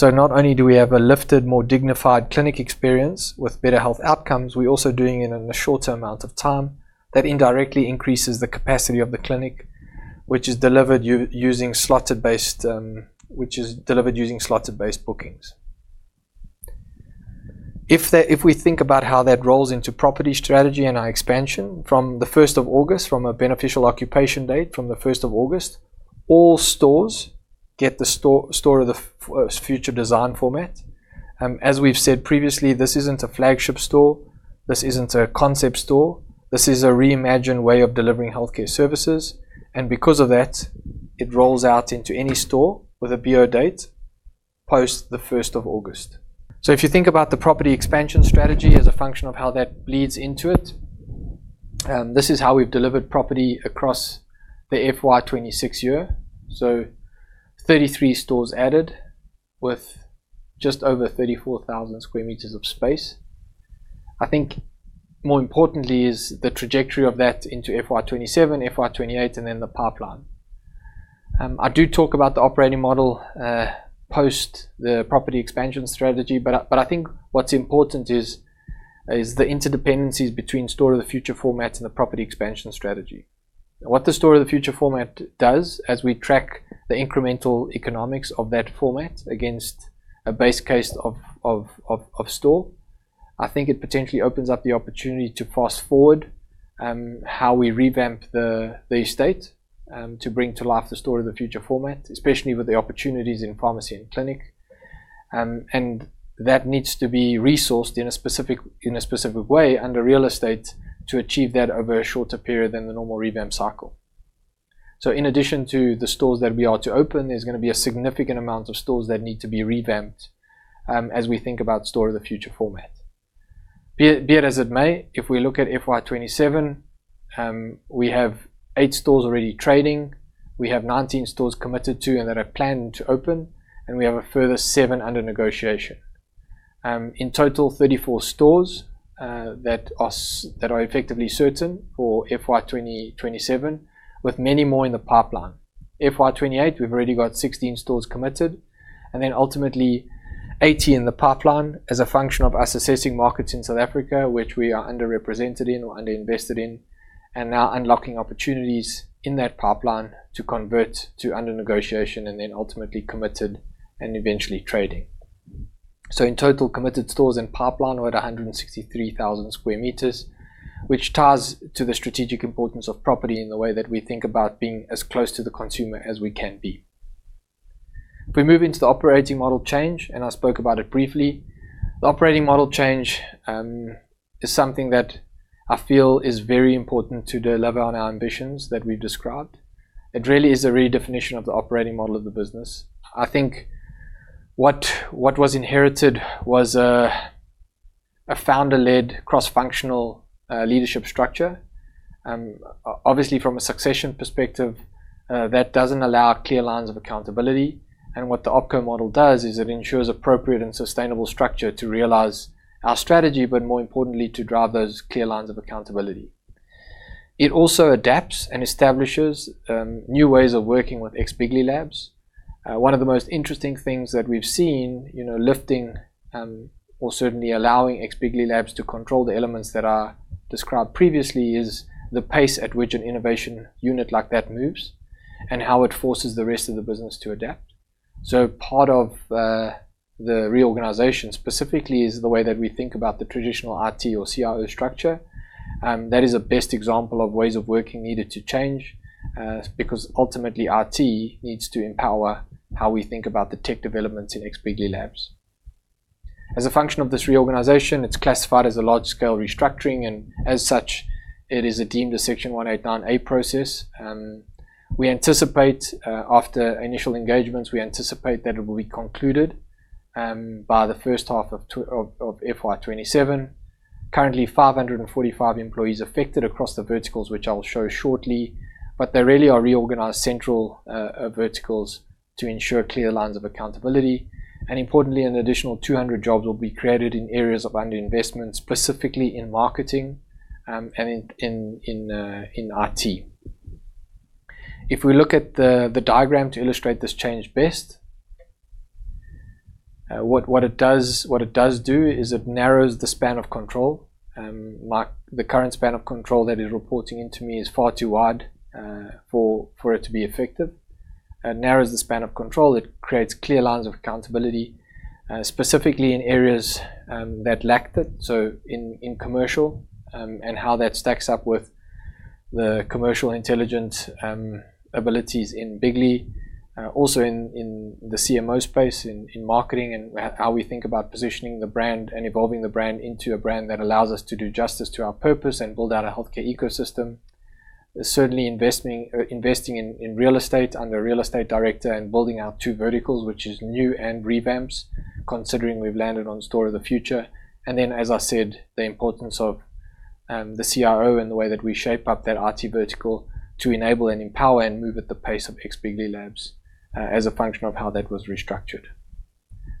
Not only do we have a lifted, more dignified clinic experience with better health outcomes, we're also doing it in a shorter amount of time that indirectly increases the capacity of the clinic, which is delivered using slotted-based bookings. If we think about how that rolls into property strategy and our expansion, from the 1st of August, from a beneficial occupation date from the 1st of August, all stores get the Store of the Future design format. As we've said previously, this isn't a flagship store, this isn't a concept store, this is a reimagined way of delivering healthcare services, and because of that, it rolls out into any store with a BO date post the 1st of August. If you think about the property expansion strategy as a function of how that bleeds into it, this is how we've delivered property across the FY 2026 year. 33 stores added with just over 34,000 sq m of space. I think more importantly is the trajectory of that into FY 2027, FY 2028, and then the pipeline. I do talk about the operating model post the property expansion strategy, but I think what's important is the interdependencies between Store of the Future formats and the property expansion strategy. What the Store of the Future format does as we track the incremental economics of that format against a base case of store, I think it potentially opens up the opportunity to fast-forward how we revamp the estate to bring to life the Store of the Future format, especially with the opportunities in pharmacy and clinic. That needs to be resourced in a specific way under real estate to achieve that over a shorter period than the normal revamp cycle. In addition to the stores that we are to open, there's going to be a significant amount of stores that need to be revamped as we think about Store of the Future format. Be it as it may, if we look at FY 2027, we have eight stores already trading, we have 19 stores committed to and that are planned to open, and we have a further seven under negotiation. In total, 34 stores that are effectively certain for FY 2027 with many more in the pipeline. FY 2028, we've already got 16 stores committed, and then ultimately 80 in the pipeline as a function of us assessing markets in South Africa, which we are underrepresented in or under-invested in, and now unlocking opportunities in that pipeline to convert to under negotiation and then ultimately committed and eventually trading. In total, committed stores in pipeline we're at 163,000 sq m, which ties to the strategic importance of property in the way that we think about being as close to the consumer as we can be. If we move into the operating model change, and I spoke about it briefly, the operating model change is something that I feel is very important to deliver on our ambitions that we've described. It really is a redefinition of the operating model of the business. I think what was inherited was a founder-led, cross-functional leadership structure. Obviously, from a succession perspective, that doesn't allow clear lines of accountability. What the OpCo model does is it ensures appropriate and sustainable structure to realize our strategy, but more importantly, to drive those clear lines of accountability. It also adapts and establishes new ways of working with X, Bigly Labs. One of the most interesting things that we've seen lifting or certainly allowing X, Bigly Labs to control the elements that are described previously is the pace at which an innovation unit like that moves and how it forces the rest of the business to adapt. Part of the reorganization specifically is the way that we think about the traditional IT or CIO structure. That is a best example of ways of working needed to change, because ultimately IT needs to empower how we think about the tech developments in X, Bigly Labs. As a function of this reorganization, it's classified as a large-scale restructuring, and as such, it is a deemed a Section 189A process. After initial engagements, we anticipate that it will be concluded by the first half of FY27. Currently, 545 employees affected across the verticals, which I'll show shortly. They really are reorganized central verticals to ensure clear lines of accountability. Importantly, an additional 200 jobs will be created in areas of underinvestment, specifically in marketing and in IT. If we look at the diagram to illustrate this change best, what it does do is it narrows the span of control. The current span of control that is reporting into me is far too wide for it to be effective. It narrows the span of control. It creates clear lines of accountability, specifically in areas that lacked it, so in commercial, and how that stacks up with the commercial intelligence abilities in Bigly. Also in the CMO space, in marketing and how we think about positioning the brand and evolving the brand into a brand that allows us to do justice to our purpose and build out a healthcare ecosystem. Certainly investing in real estate under a real estate director and building out two verticals, which is new and revamps, considering we've landed on Store of the Future. As I said, the importance of the CRO and the way that we shape up that IT vertical to enable and empower and move at the pace of X, Bigly Labs as a function of how that was restructured.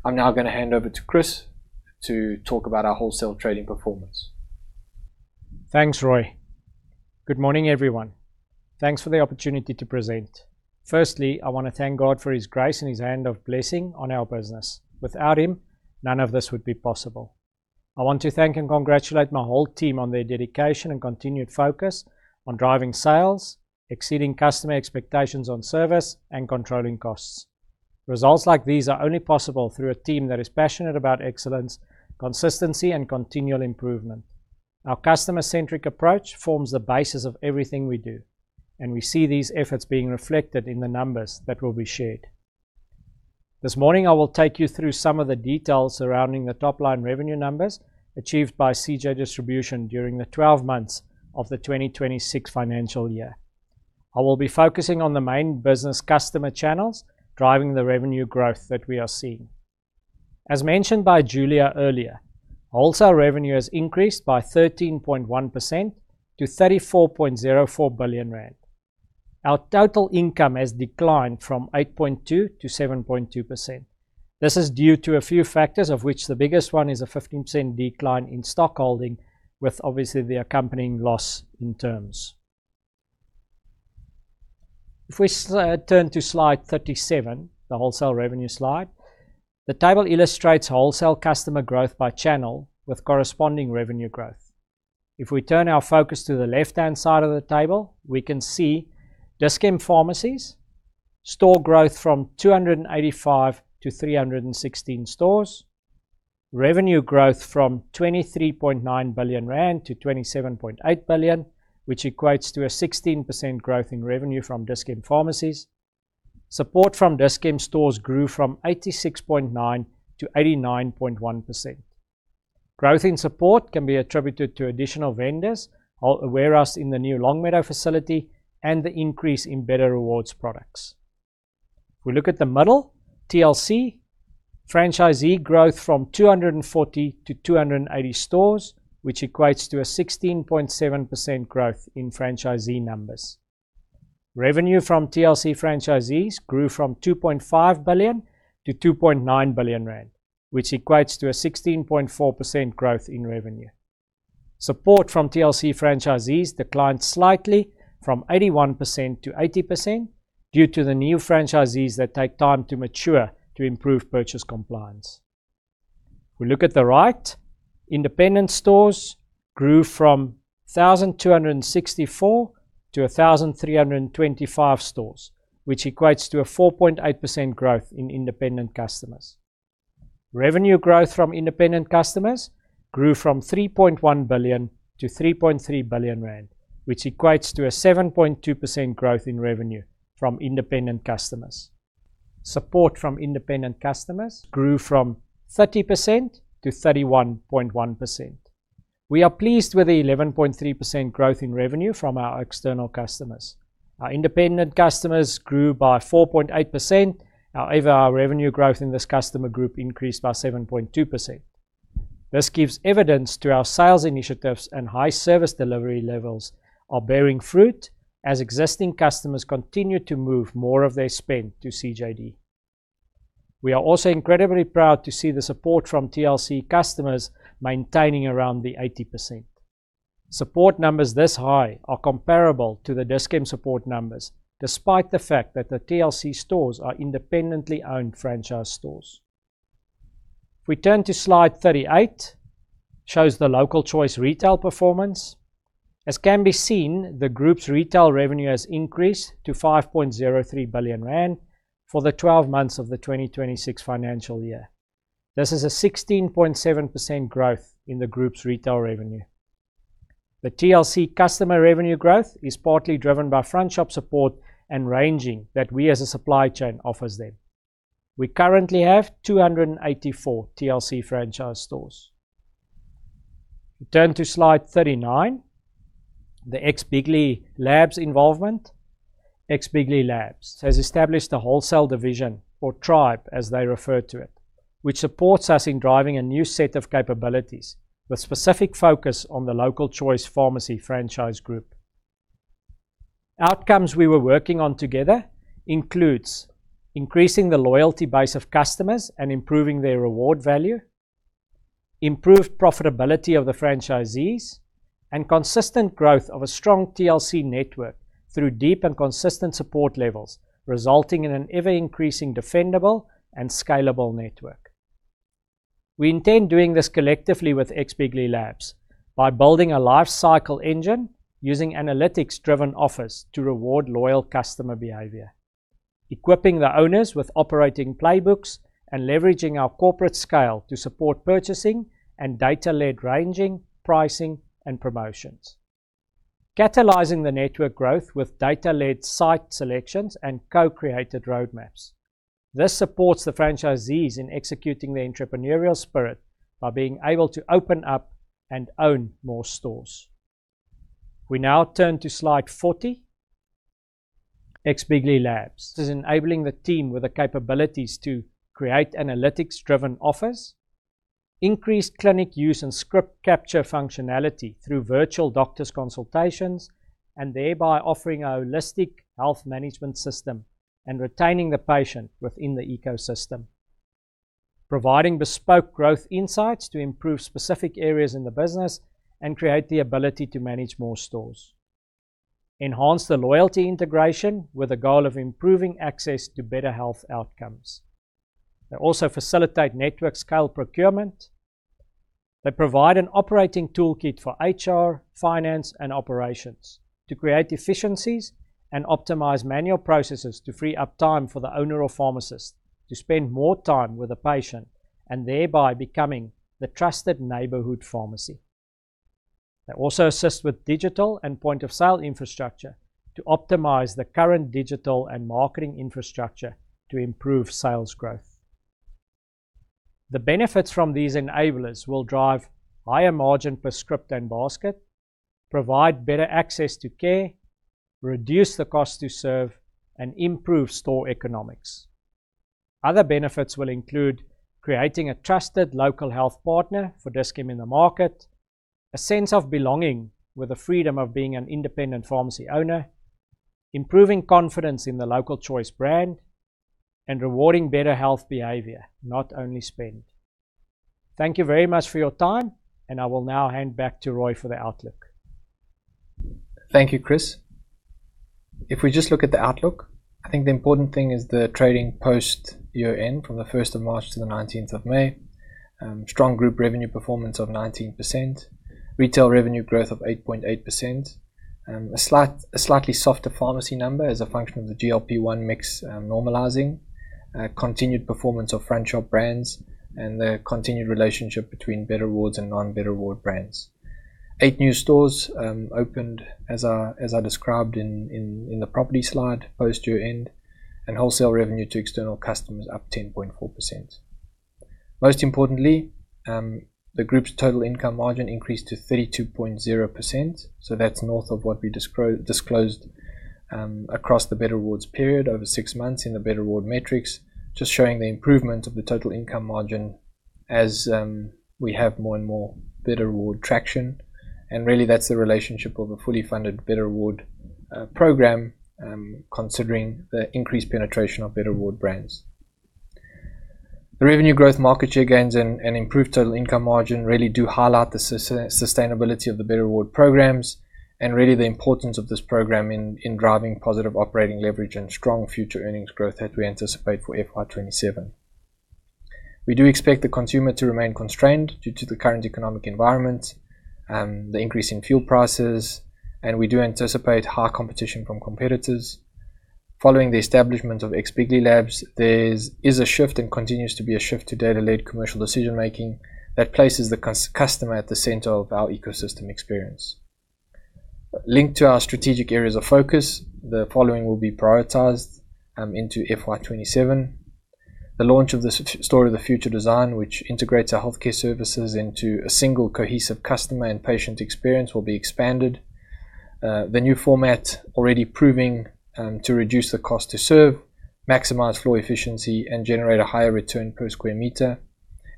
I'm now going to hand over to Chris to talk about our wholesale trading performance. Thanks, Rui. Good morning, everyone. Thanks for the opportunity to present. Firstly, I want to thank God for his grace and his hand of blessing on our business. Without him, none of this would be possible. I want to thank and congratulate my whole team on their dedication and continued focus on driving sales, exceeding customer expectations on service, and controlling costs. Results like these are only possible through a team that is passionate about excellence, consistency, and continual improvement. Our customer-centric approach forms the basis of everything we do, and we see these efforts being reflected in the numbers that will be shared. This morning, I will take you through some of the details surrounding the top-line revenue numbers achieved by CJ Distribution during the 12 months of the 2026 financial year. I will be focusing on the main business customer channels driving the revenue growth that we are seeing. As mentioned by Julia earlier, wholesale revenue has increased by 13.1% to 34.04 billion rand. Our total income has declined from 8.2%-7.2%. This is due to a few factors, of which the biggest one is a 15% decline in stock holding with obviously the accompanying loss in terms. If we turn to slide 37, the wholesale revenue slide, the table illustrates wholesale customer growth by channel with corresponding revenue growth. If we turn our focus to the left-hand side of the table, we can see Dis-Chem Pharmacies store growth from 285 to 316 stores, revenue growth from 23.9 billion-27.8 billion rand, which equates to a 16% growth in revenue from Dis-Chem Pharmacies. Support from Dis-Chem stores grew from 86.9%-89.1%. Growth in support can be attributed to additional vendors, our warehouse in the new Longmeadow facility, and the increase in Better Rewards products. If we look at the middle, TLC, franchisee growth from 240-280 stores, which equates to a 16.7% growth in franchisee numbers. Revenue from TLC franchisees grew from 2.5 billion-2.9 billion rand, which equates to a 16.4% growth in revenue. Support from TLC franchisees declined slightly from 81%-80% due to the new franchisees that take time to mature to improve purchase compliance. If we look at the right, independent stores grew from 1,264-1,325 stores, which equates to a 4.8% growth in independent customers. Revenue growth from independent customers grew from 3.1 billion-3.3 billion rand, which equates to a 7.2% growth in revenue from independent customers. Support from independent customers grew from 30%-31.1%. We are pleased with the 11.3% growth in revenue from our external customers. Our independent customers grew by 4.8%. Our revenue growth in this customer group increased by 7.2%. This gives evidence to our sales initiatives and high service delivery levels are bearing fruit as existing customers continue to move more of their spend to CJD. We are also incredibly proud to see the support from TLC customers maintaining around the 80%. Support numbers this high are comparable to the Dis-Chem support numbers, despite the fact that the TLC stores are independently owned franchise stores. If we turn to slide 38, it shows The Local Choice retail performance. As can be seen, the group's retail revenue has increased to 5.03 billion rand for the 12 months of the 2026 financial year. This is a 16.7% growth in the group's retail revenue. The TLC customer revenue growth is partly driven by front shop support and ranging that we as a supply chain offers them. We currently have 284 TLC franchise stores. We turn to slide 39, the X,bigly labs involvement. X,bigly labs has established a wholesale division or tribe, as they refer to it, which supports us in driving a new set of capabilities with specific focus on The Local Choice Pharmacy franchise group. Outcomes we were working on together includes increasing the loyalty base of customers and improving their reward value, improved profitability of the franchisees, and consistent growth of a strong TLC network through deep and consistent support levels, resulting in an ever-increasing defendable and scalable network. We intend doing this collectively with X, Bigly Labs by building a life cycle engine using analytics-driven offers to reward loyal customer behavior, equipping the owners with operating playbooks, and leveraging our corporate scale to support purchasing and data-led ranging, pricing, and promotions, catalyzing the network growth with data-led site selections and co-created roadmaps. This supports the franchisees in executing their entrepreneurial spirit by being able to open up and own more stores. We now turn to slide 40. X, Bigly Labs is enabling the team with the capabilities to create analytics-driven offers, increase clinic use and script capture functionality through virtual doctor's consultations, and thereby offering a holistic health management system and retaining the patient within the ecosystem, providing bespoke growth insights to improve specific areas in the business and create the ability to manage more stores, and enhance the loyalty integration with the goal of improving access to better health outcomes. They also facilitate network scale procurement. They provide an operating toolkit for HR, finance, and operations to create efficiencies and optimize manual processes to free up time for the owner or pharmacist to spend more time with the patient and thereby becoming the trusted neighborhood pharmacy. They also assist with digital and point-of-sale infrastructure to optimize the current digital and marketing infrastructure to improve sales growth. The benefits from these enablers will drive higher margin per script and basket, provide better access to care, reduce the cost to serve, and improve store economics. Other benefits will include creating a trusted local health partner for Dis-Chem in the market, a sense of belonging with the freedom of being an independent pharmacy owner, improving confidence in the Local Choice brand, and rewarding better health behavior, not only spend. Thank you very much for your time, and I will now hand back to Rui for the outlook. Thank you, Chris. If we just look at the outlook, I think the important thing is the trading post year-end from the 1st of March to the 19th of May. Strong group revenue performance of 19%, retail revenue growth of 8.8%, a slightly softer pharmacy number as a function of the GLP-1 mix normalizing, continued performance of front shop brands, and the continued relationship between Better Rewards and non-Better Reward brands. Eight new stores opened as I described in the property slide post year-end, and wholesale revenue to external customers up 10.4%. Most importantly, the group's total income margin increased to 32.0%, so that's north of what we disclosed across the Better Rewards period over six months in the Better Reward metrics. Just showing the improvement of the total income margin as we have more and more Better Reward traction. Really, that's the relationship of a fully funded Better Rewards program, considering the increased penetration of Better Rewards brands. The revenue growth market share gains and improved total income margin really do highlight the sustainability of the Better Rewards programs and really the importance of this program in driving positive operating leverage and strong future earnings growth that we anticipate for FY 2027. We do expect the consumer to remain constrained due to the current economic environment, the increase in fuel prices, and we do anticipate high competition from competitors. Following the establishment of X, Bigly Labs, there continues to be a shift to data-led commercial decision making that places the customer at the center of our ecosystem experience. Linked to our strategic areas of focus, the following will be prioritized into FY 2027. The launch of the Store of the Future design, which integrates our healthcare services into a single cohesive customer and patient experience, will be expanded. The new format already proving to reduce the cost to serve, maximize floor efficiency, and generate a higher return per square meter,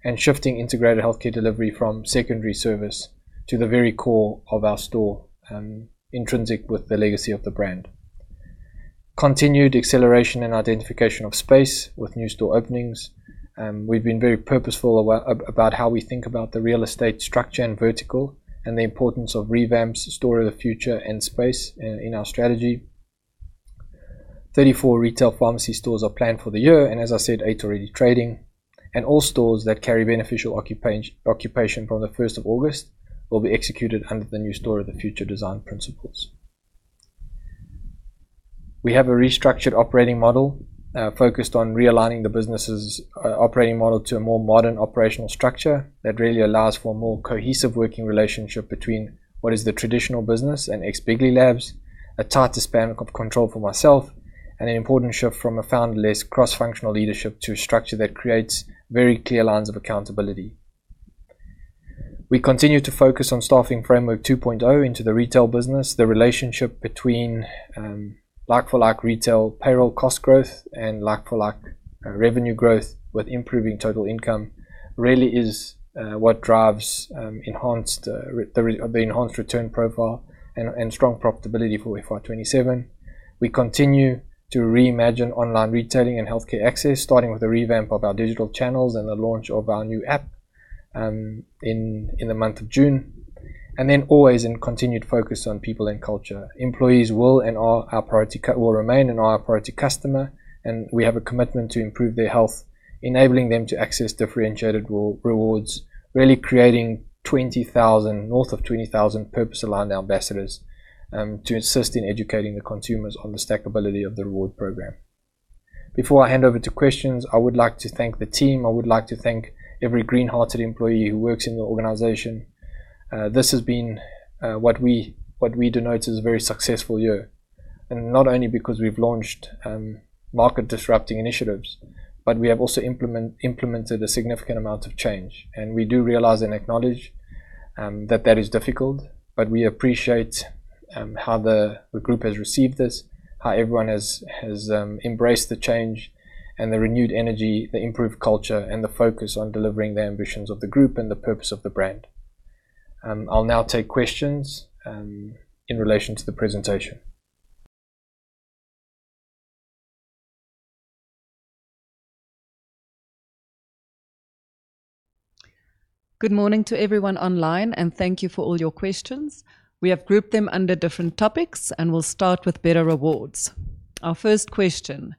and shifting integrated healthcare delivery from secondary service to the very core of our store, intrinsic with the legacy of the brand. Continued acceleration and identification of space with new store openings. We've been very purposeful about how we think about the real estate structure and vertical and the importance of revamps, Store of the Future and space in our strategy. 34 retail pharmacy stores are planned for the year, and as I said, eight already trading. All stores that carry beneficial occupation from the 1st of August will be executed under the new Store of the Future design principles. We have a restructured operating model focused on realigning the business's operating model to a more modern operational structure that really allows for a more cohesive working relationship between what is the traditional business and X, Bigly Labs, a tighter span of control for myself, and an important shift from a founder-less cross-functional leadership to a structure that creates very clear lines of accountability. We continue to focus on Staffing Framework 2.0 into the retail business. The relationship between like-for-like retail payroll cost growth and like-for-like revenue growth with improving total income really is what drives the enhanced return profile and strong profitability for FY 2027. We continue to reimagine online retailing and healthcare access, starting with the revamp of our digital channels and the launch of our new app in the month of June. Always a continued focus on people and culture. Employees will remain our priority customer. We have a commitment to improve their health, enabling them to access differentiated rewards, really creating north of 20,000 purpose-aligned ambassadors, to assist in educating the consumers on the stackability of the rewards program. Before I hand over to questions, I would like to thank the team, I would like to thank every green-hearted employee who works in the organization. This has been what we denote as a very successful year. Not only because we've launched market-disrupting initiatives, but we have also implemented a significant amount of change. We do realize and acknowledge that that is difficult, but we appreciate how the group has received this, how everyone has embraced the change and the renewed energy, the improved culture, and the focus on delivering the ambitions of the group and the purpose of the brand. I'll now take questions in relation to the presentation. Good morning to everyone online. Thank you for all your questions. We have grouped them under different topics. We'll start with Better Rewards. Our first question: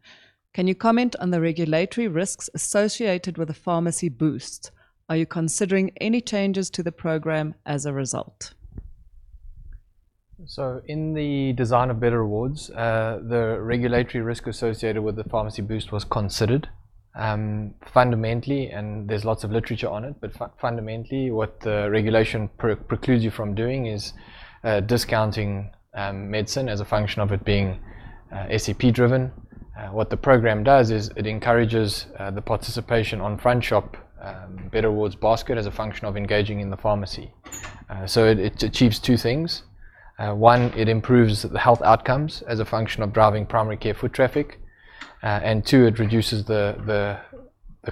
Can you comment on the regulatory risks associated with the Pharmacy Boost? Are you considering any changes to the program as a result? In the design of Better Rewards, the regulatory risk associated with the Pharmacy Boost was considered. Fundamentally, and there's lots of literature on it, but fundamentally what the regulation precludes you from doing is discounting medicine as a function of it being SEP driven. What the program does is it encourages the participation on front shop Better Rewards basket as a function of engaging in the pharmacy. It achieves two things. One, it improves the health outcomes as a function of driving primary care foot traffic. Two, it reduces the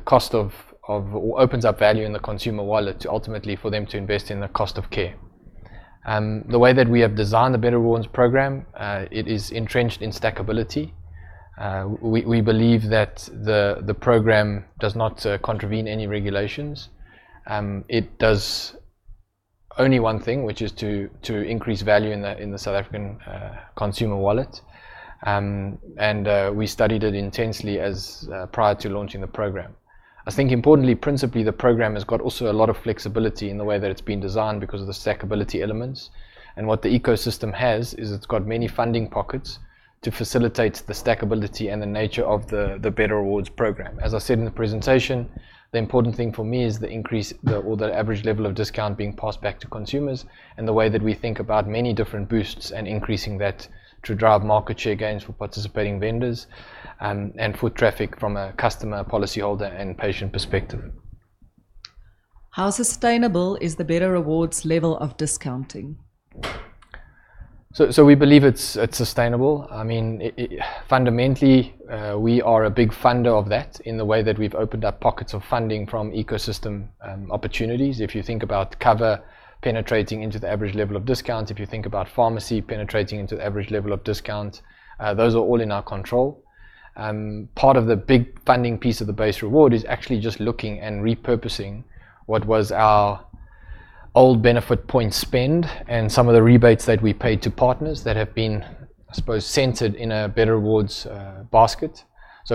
cost of or opens up value in the consumer wallet to ultimately for them to invest in the cost of care. The way that we have designed the Better Rewards program, it is entrenched in stackability. We believe that the program does not contravene any regulations. It does only one thing, which is to increase value in the South African consumer wallet. We studied it intensely as prior to launching the program. I think importantly, principally, the program has got also a lot of flexibility in the way that it's been designed because of the stackability elements. What the ecosystem has is it's got many funding pockets to facilitate the stackability and the nature of the Better Rewards program. As I said in the presentation, the important thing for me is the increase or the average level of discount being passed back to consumers and the way that we think about many different boosts and increasing that to drive market share gains for participating vendors, and foot traffic from a customer, policyholder, and patient perspective. How sustainable is the Better Rewards level of discounting? We believe it's sustainable. Fundamentally, we are a big funder of that in the way that we've opened up pockets of funding from ecosystem opportunities. If you think about Cover penetrating into the average level of discounts, if you think about Pharmacy penetrating into the average level of discounts, those are all in our control. Part of the big funding piece of the base reward is actually just looking and repurposing what was our old Benefit Points spend and some of the rebates that we paid to partners that have been, I suppose, centered in a Better Rewards basket.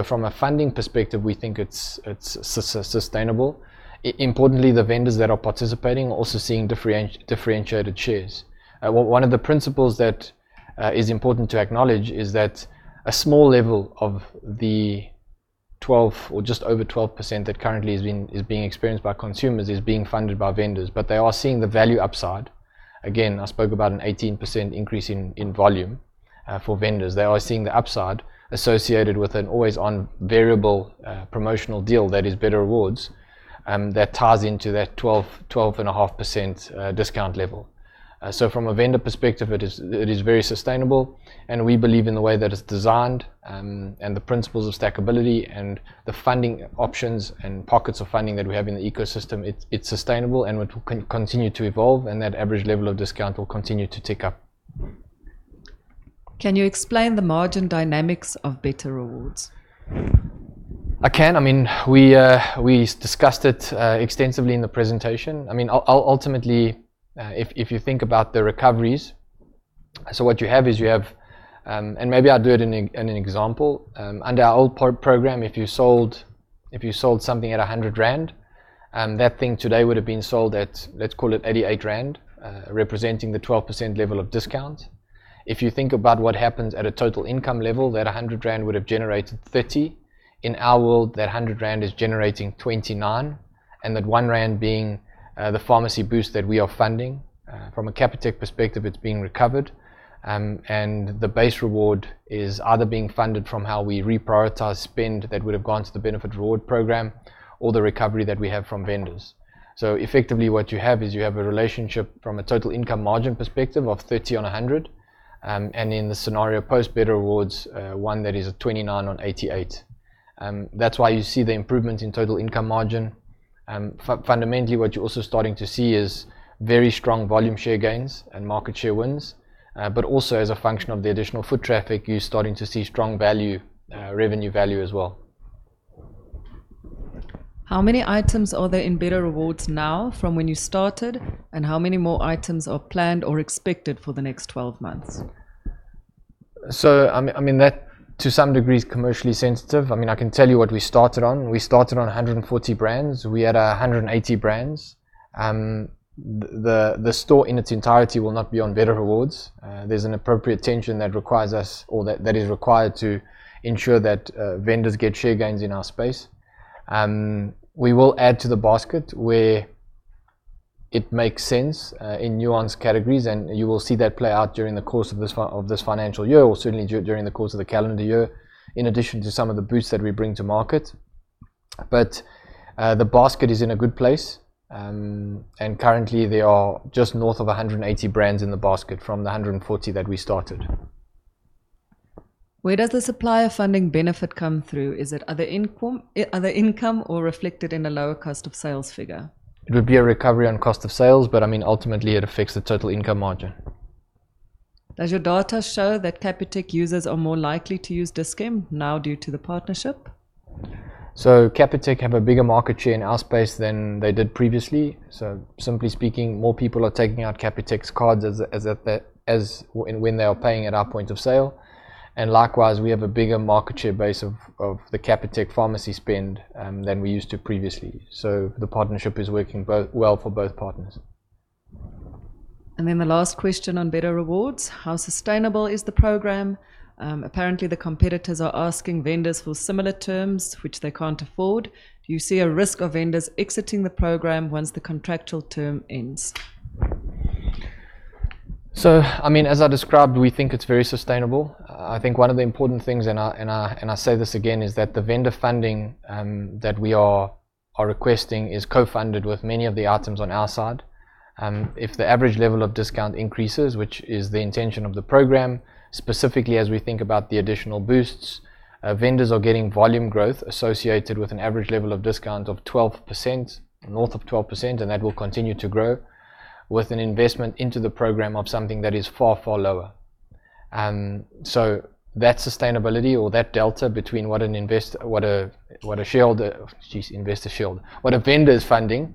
From a funding perspective, we think it's sustainable. Importantly, the vendors that are participating are also seeing differentiated shares. One of the principles that is important to acknowledge is that a small level of the 12 or just over 12% that currently is being experienced by consumers is being funded by vendors. They are seeing the value upside. Again, I spoke about an 18% increase in volume for vendors. They are seeing the upside associated with an always-on variable promotional deal that is Better Rewards, that ties into that 12.5% discount level. From a vendor perspective, it is very sustainable, and we believe in the way that it's designed and the principles of stackability and the funding options and pockets of funding that we have in the ecosystem. It's sustainable, and it will continue to evolve, and that average level of discount will continue to tick up. Can you explain the margin dynamics of Better Rewards? I can. We discussed it extensively in the presentation. Ultimately, if you think about the recoveries, maybe I'll do it in an example. Under our old program, if you sold something at 100 rand, that thing today would have been sold at, let's call it 88 rand, representing the 12% level of discount. If you think about what happens at a total income level, that 100 rand would have generated 30. In our world, that 100 rand is generating 29, and that 1 rand being the Pharmacy Boost that we are funding. From a Capitec perspective, it's being recovered. The base reward is either being funded from how we reprioritize spend that would have gone to the Benefit Points program or the recovery that we have from vendors. Effectively what you have is you have a relationship from a total income margin perspective of 30 on 100, and in the scenario post Better Rewards, one that is a 29 on 88. That's why you see the improvement in total income margin. Fundamentally, what you're also starting to see is very strong volume share gains and market share wins. Also as a function of the additional foot traffic, you're starting to see strong revenue value as well. How many items are there in Better Rewards now from when you started, and how many more items are planned or expected for the next 12 months? That to some degree is commercially sensitive. I can tell you what we started on. We started on 140 brands. We are at 180 brands. The store in its entirety will not be on Better Rewards. There's an appropriate tension that requires us or that is required to ensure that vendors get share gains in our space. We will add to the basket where it makes sense in nuanced categories, and you will see that play out during the course of this financial year or certainly during the course of the calendar year, in addition to some of the boosts that we bring to market. The basket is in a good place. Currently, there are just north of 180 brands in the basket from the 140 that we started. Where does the supplier funding benefit come through? Is it other income or reflected in a lower cost of sales figure? It would be a recovery on cost of sales, but ultimately it affects the total income margin. Does your data show that Capitec users are more likely to use Dis-Chem now due to the partnership? Capitec have a bigger market share in our space than they did previously. Simply speaking, more people are taking out Capitec's cards when they are paying at our point of sale. Likewise, we have a bigger market share base of the Capitec pharmacy spend than we used to previously. The partnership is working well for both partners. The last question on Better Rewards. How sustainable is the program? Apparently, the competitors are asking vendors for similar terms which they can't afford. Do you see a risk of vendors exiting the program once the contractual term ends? As I described, we think it's very sustainable. I think one of the important things, and I say this again, is that the vendor funding that we are requesting is co-funded with many of the items on our side. If the average level of discount increases, which is the intention of the program, specifically as we think about the additional boosts, vendors are getting volume growth associated with an average level of discount of 12%, north of 12%, and that will continue to grow. With an investment into the program of something that is far, far lower. That sustainability or that delta between what a vendor is funding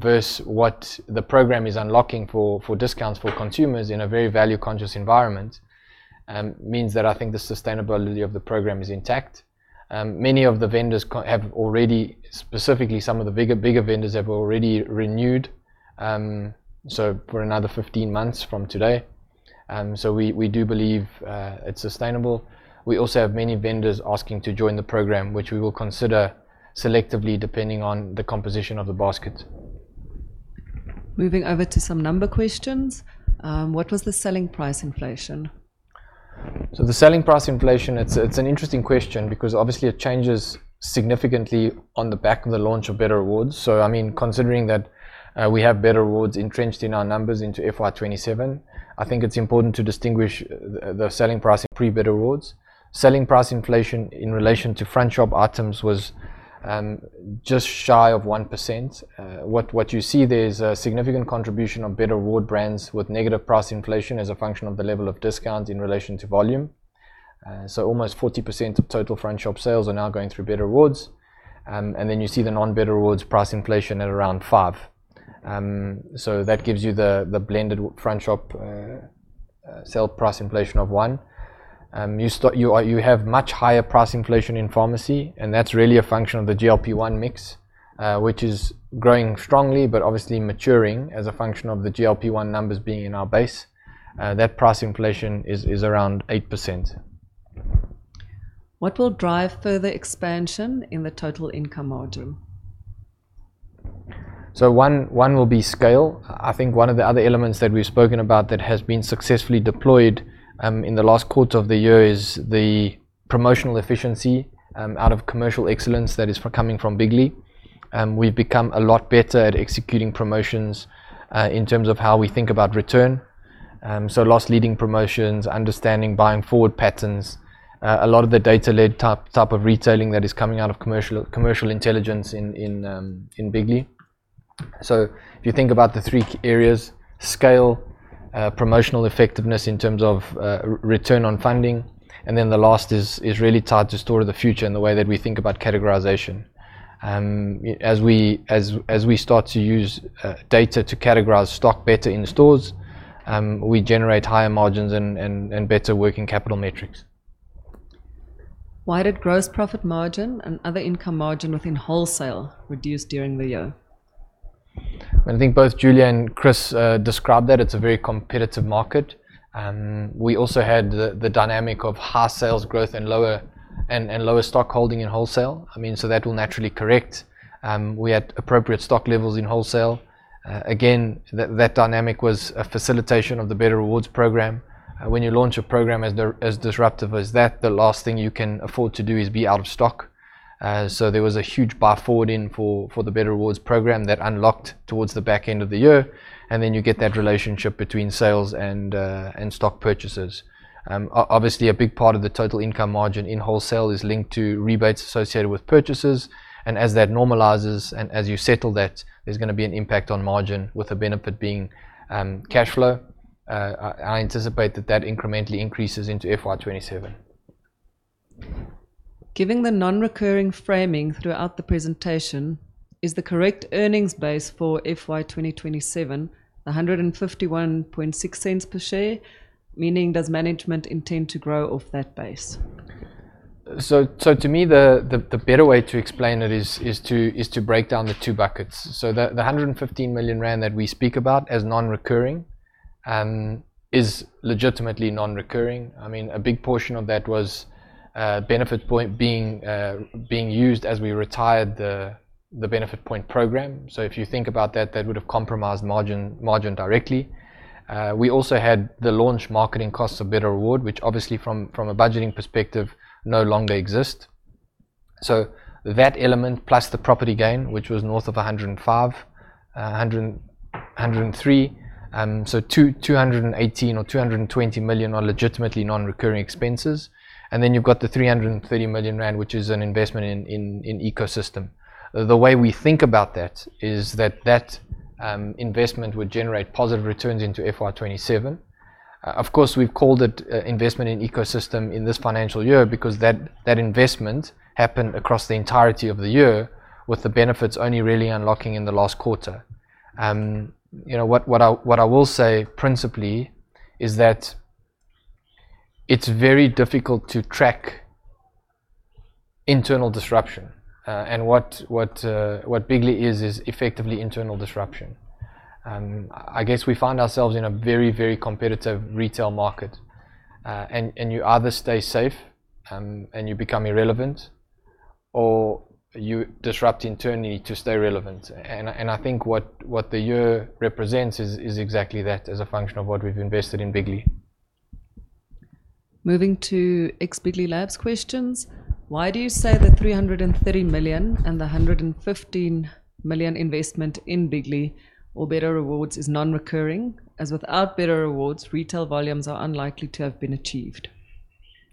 versus what the program is unlocking for discounts for consumers in a very value-conscious environment, means that I think the sustainability of the program is intact. Many of the vendors have already, specifically some of the bigger vendors, have already renewed, for another 15 months from today. We do believe it's sustainable. We also have many vendors asking to join the program, which we will consider selectively depending on the composition of the basket. Moving over to some number questions. What was the selling price inflation? The selling price inflation, it's an interesting question because obviously it changes significantly on the back of the launch of Better Rewards. Considering that we have Better Rewards entrenched in our numbers into FY 2027, I think it's important to distinguish the selling price pre Better Rewards. Selling price inflation in relation to front shop items was just shy of 1%. What you see there is a significant contribution of Better Rewards brands with negative price inflation as a function of the level of discount in relation to volume. Almost 40% of total front shop sales are now going through Better Rewards. You see the non Better Rewards price inflation at around five. That gives you the blended front shop sale price inflation of one. You have much higher price inflation in pharmacy, and that's really a function of the GLP-1 mix, which is growing strongly, but obviously maturing as a function of the GLP-1 numbers being in our base. That price inflation is around 8%. What will drive further expansion in the total income margin? One will be scale. I think one of the other elements that we've spoken about that has been successfully deployed in the last quarter of the year is the promotional efficiency out of commercial excellence that is coming from Bigly. We've become a lot better at executing promotions, in terms of how we think about return. Last leading promotions, understanding buying forward patterns, a lot of the data lead type of retailing that is coming out of commercial intelligence in Bigly. If you think about the three key areas, scale, promotional effectiveness in terms of return on funding. The last is really tied to Store of the Future and the way that we think about categorization. As we start to use data to categorize stock better in stores, we generate higher margins and better working capital metrics. Why did gross profit margin and other income margin within wholesale reduce during the year? I think both Julia and Chris described that it's a very competitive market. We also had the dynamic of high sales growth and lower stock holding in wholesale. That will naturally correct. We had appropriate stock levels in wholesale. Again, that dynamic was a facilitation of the Better Rewards program. When you launch a program as disruptive as that, the last thing you can afford to do is be out of stock. There was a huge buy forward in for the Better Rewards program that unlocked towards the back end of the year. You get that relationship between sales and stock purchases. Obviously, a big part of the total income margin in wholesale is linked to rebates associated with purchases, and as that normalizes and as you settle that, there's going to be an impact on margin with the benefit being cash flow. I anticipate that that incrementally increases into FY 2027. Given the non-recurring framing throughout the presentation, is the correct earnings base for FY 2027 the 151.6 per share? Meaning, does management intend to grow off that base? To me, the better way to explain it is to break down the two buckets. The 115 million rand that we speak about as non-recurring, is legitimately non-recurring. A big portion of that was Benefit Points being used as we retired the Benefit Points program. If you think about that would have compromised margin directly. We also had the launch marketing costs of Better Rewards, which obviously from a budgeting perspective, no longer exist. That element plus the property gain, which was north of 105 million, 103 million, so 218 million or 220 million are legitimately non-recurring expenses. Then you've got the 330 million rand, which is an investment in ecosystem. The way we think about that is that that investment would generate positive returns into FY 2027. Of course, we've called it investment in ecosystem in this financial year because that investment happened across the entirety of the year with the benefits only really unlocking in the last quarter. What I will say principally is that it's very difficult to track internal disruption. What Bigly is effectively internal disruption. I guess we find ourselves in a very, very competitive retail market. You either stay safe, and you become irrelevant, or you disrupt internally to stay relevant. I think what the year represents is exactly that as a function of what we've invested in Bigly. Moving to X, bigly Labs questions. Why do you say the 330 million and the 115 million investment in Bigly or Better Rewards is non-recurring, as without Better Rewards, retail volumes are unlikely to have been achieved?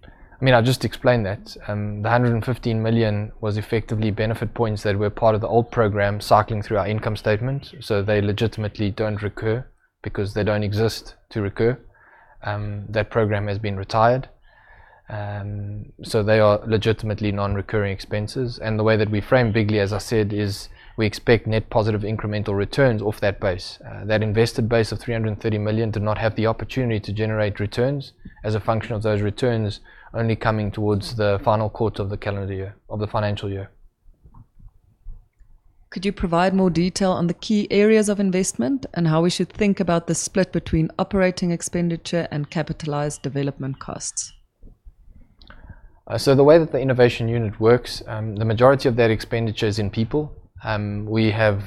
I mean, I just explained that. The 115 million was effectively Benefit Points that were part of the old program cycling through our income statement, so they legitimately don't recur because they don't exist to recur. That program has been retired, so they are legitimately non-recurring expenses. The way that we frame Bigly, as I said, is we expect net positive incremental returns off that base. That invested base of 330 million did not have the opportunity to generate returns as a function of those returns only coming towards the final quarter of the financial year. Could you provide more detail on the key areas of investment and how we should think about the split between operating expenditure and capitalized development costs? The way that the innovation unit works, the majority of that expenditure is in people. We have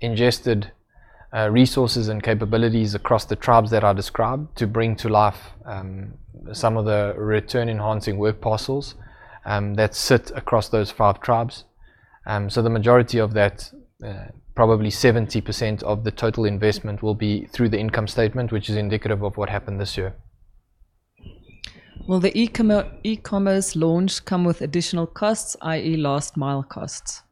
ingested resources and capabilities across the tribes that I described to bring to life some of the return-enhancing work parcels that sit across those five tribes. The majority of that, probably 70% of the total investment, will be through the income statement, which is indicative of what happened this year. Will the e-commerce launch come with additional costs, i.e., last mile costs?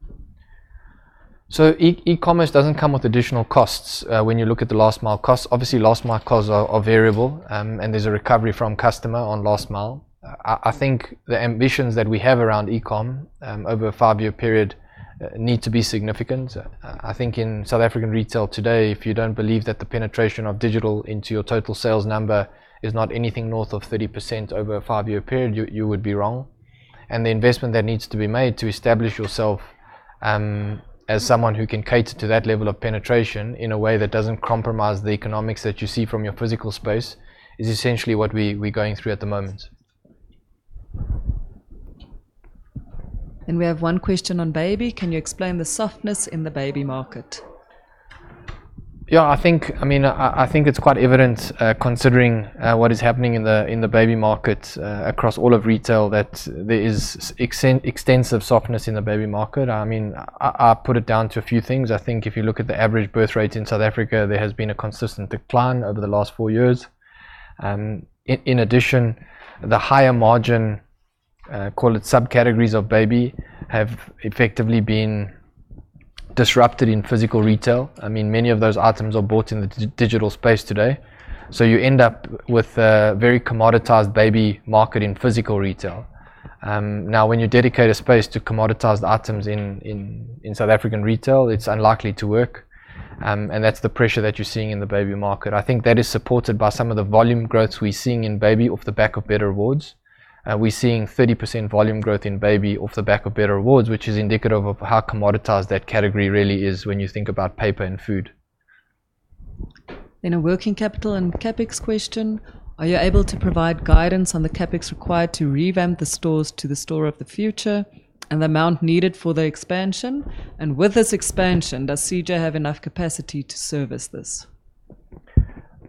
E-commerce doesn't come with additional costs. When you look at the last mile costs, obviously last mile costs are variable, and there's a recovery from customer on last mile. I think the ambitions that we have around e-com over a five-year period need to be significant. I think in South African retail today, if you don't believe that the penetration of digital into your total sales number is not anything north of 30% over a five-year period, you would be wrong. The investment that needs to be made to establish yourself as someone who can cater to that level of penetration in a way that doesn't compromise the economics that you see from your physical space is essentially what we're going through at the moment. We have one question on baby. Can you explain the softness in the baby market? I think it's quite evident, considering what is happening in the baby market across all of retail, that there is extensive softness in the baby market. I put it down to a few things. I think if you look at the average birth rate in South Africa, there has been a consistent decline over the last four years. In addition, the higher margin, call it subcategories of baby, have effectively been disrupted in physical retail. Many of those items are bought in the digital space today. You end up with a very commoditized baby market in physical retail. When you dedicate a space to commoditize items in South African retail, it's unlikely to work, and that's the pressure that you're seeing in the baby market. I think that is supported by some of the volume growths we're seeing in baby off the back of Better Rewards. We're seeing 30% volume growth in baby off the back of Better Rewards, which is indicative of how commoditized that category really is when you think about paper and food. A working capital and CapEx question. Are you able to provide guidance on the CapEx required to revamp the stores to the Store of the Future, and the amount needed for the expansion? With this expansion, does CJ have enough capacity to service this?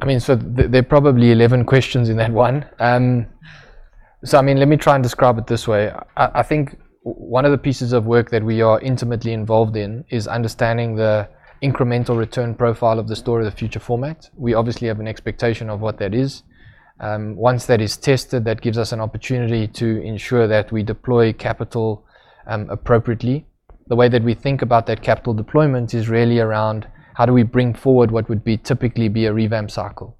There are probably 11 questions in that one. Let me try and describe it this way. I think one of the pieces of work that we are intimately involved in is understanding the incremental return profile of the Store of the Future format. We obviously have an expectation of what that is. Once that is tested, that gives us an opportunity to ensure that we deploy capital appropriately. The way that we think about that capital deployment is really around how do we bring forward what would typically be a revamp cycle?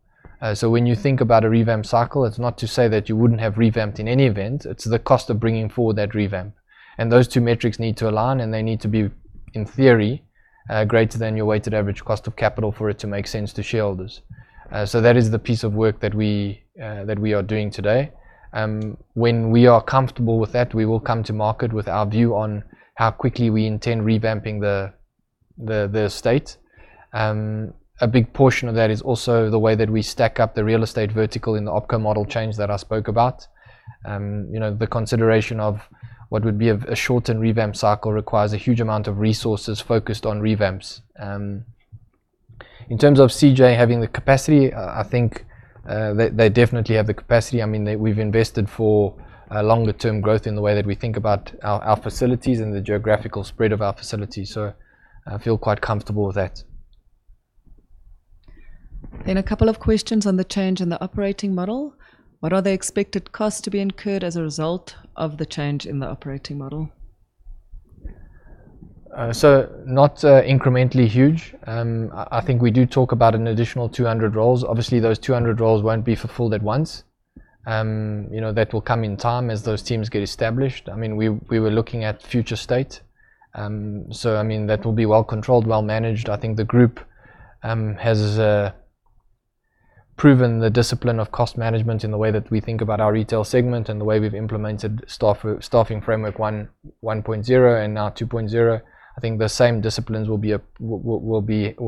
When you think about a revamp cycle, it's not to say that you wouldn't have revamped in any event, it's the cost of bringing forward that revamp. Those two metrics need to align, and they need to be, in theory, greater than your weighted average cost of capital for it to make sense to shareholders. That is the piece of work that we are doing today. When we are comfortable with that, we will come to market with our view on how quickly we intend revamping the state. A big portion of that is also the way that we stack up the real estate vertical in the OpCo model change that I spoke about. The consideration of what would be a shortened revamp cycle requires a huge amount of resources focused on revamps. In terms of CJ having the capacity, I think they definitely have the capacity. We've invested for longer-term growth in the way that we think about our facilities and the geographical spread of our facilities. I feel quite comfortable with that. A couple of questions on the change in the operating model. What are the expected costs to be incurred as a result of the change in the operating model? Not incrementally huge. I think we do talk about an additional 200 roles. Obviously, those 200 roles won't be fulfilled at once. That will come in time as those teams get established. We were looking at future state. That will be well controlled, well managed. I think the group has proven the discipline of cost management in the way that we think about our retail segment and the way we've implemented Staffing Framework 1.0 and now 2.0. I think the same disciplines will be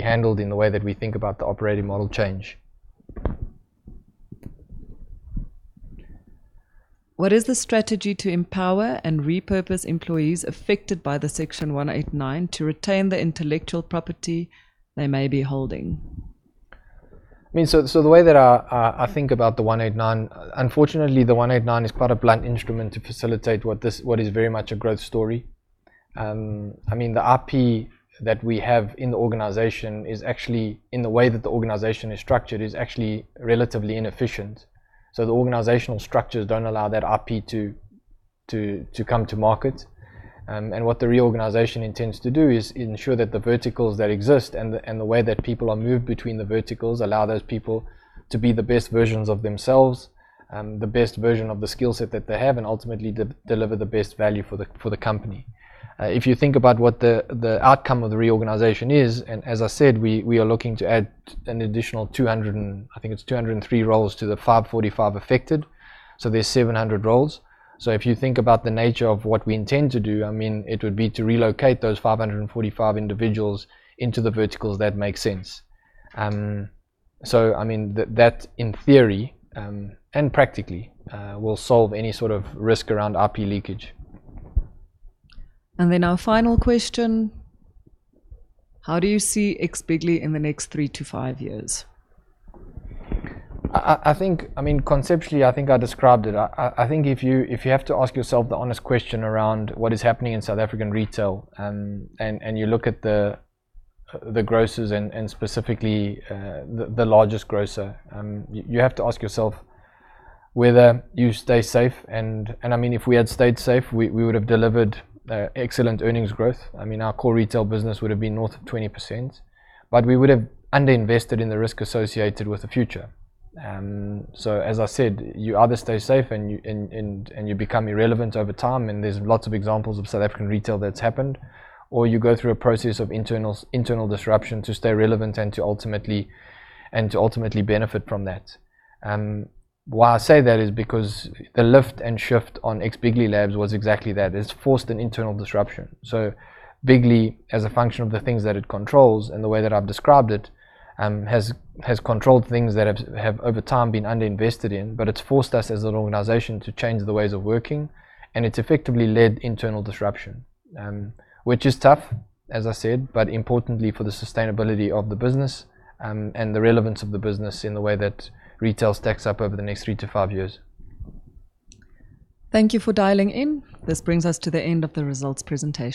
handled in the way that we think about the operating model change. What is the strategy to empower and repurpose employees affected by the Section 189 to retain the intellectual property they may be holding? The way that I think about the Section 189, unfortunately, the Section 189 is quite a blunt instrument to facilitate what is very much a growth story. The IP that we have in the organization, in the way that the organization is structured, is actually relatively inefficient. The organizational structures don't allow that IP to come to market. What the reorganization intends to do is ensure that the verticals that exist, and the way that people are moved between the verticals, allow those people to be the best versions of themselves, the best version of the skill set that they have, and ultimately, deliver the best value for the company. If you think about what the outcome of the reorganization is, and as I said, we are looking to add an additional 200, I think it's 203 roles to the 545 affected. There's 700 roles. If you think about the nature of what we intend to do, it would be to relocate those 545 individuals into the verticals that make sense. That, in theory, and practically, will solve any sort of risk around IP leakage. Our final question, how do you see X, Bigly Labs in the next three to five years? Conceptually, I think I described it. I think if you have to ask yourself the honest question around what is happening in South African retail, and you look at the grocers and specifically the largest grocer, you have to ask yourself whether you stay safe. If we had stayed safe, we would've delivered excellent earnings growth. Our core retail business would've been north of 20%, but we would've under-invested in the risk associated with the future. As I said, you either stay safe and you become irrelevant over time, and there's lots of examples of South African retail that's happened, or you go through a process of internal disruption to stay relevant and to ultimately benefit from that. Why I say that is because the lift and shift on X, Bigly Labs was exactly that. It's forced an internal disruption. Bigly, as a function of the things that it controls and the way that I've described it, has controlled things that have, over time, been under-invested in, but it's forced us as an organization to change the ways of working, and it's effectively led internal disruption. Which is tough, as I said, but importantly for the sustainability of the business, and the relevance of the business in the way that retail stacks up over the next three to five years. Thank you for dialing in. This brings us to the end of the results presentation.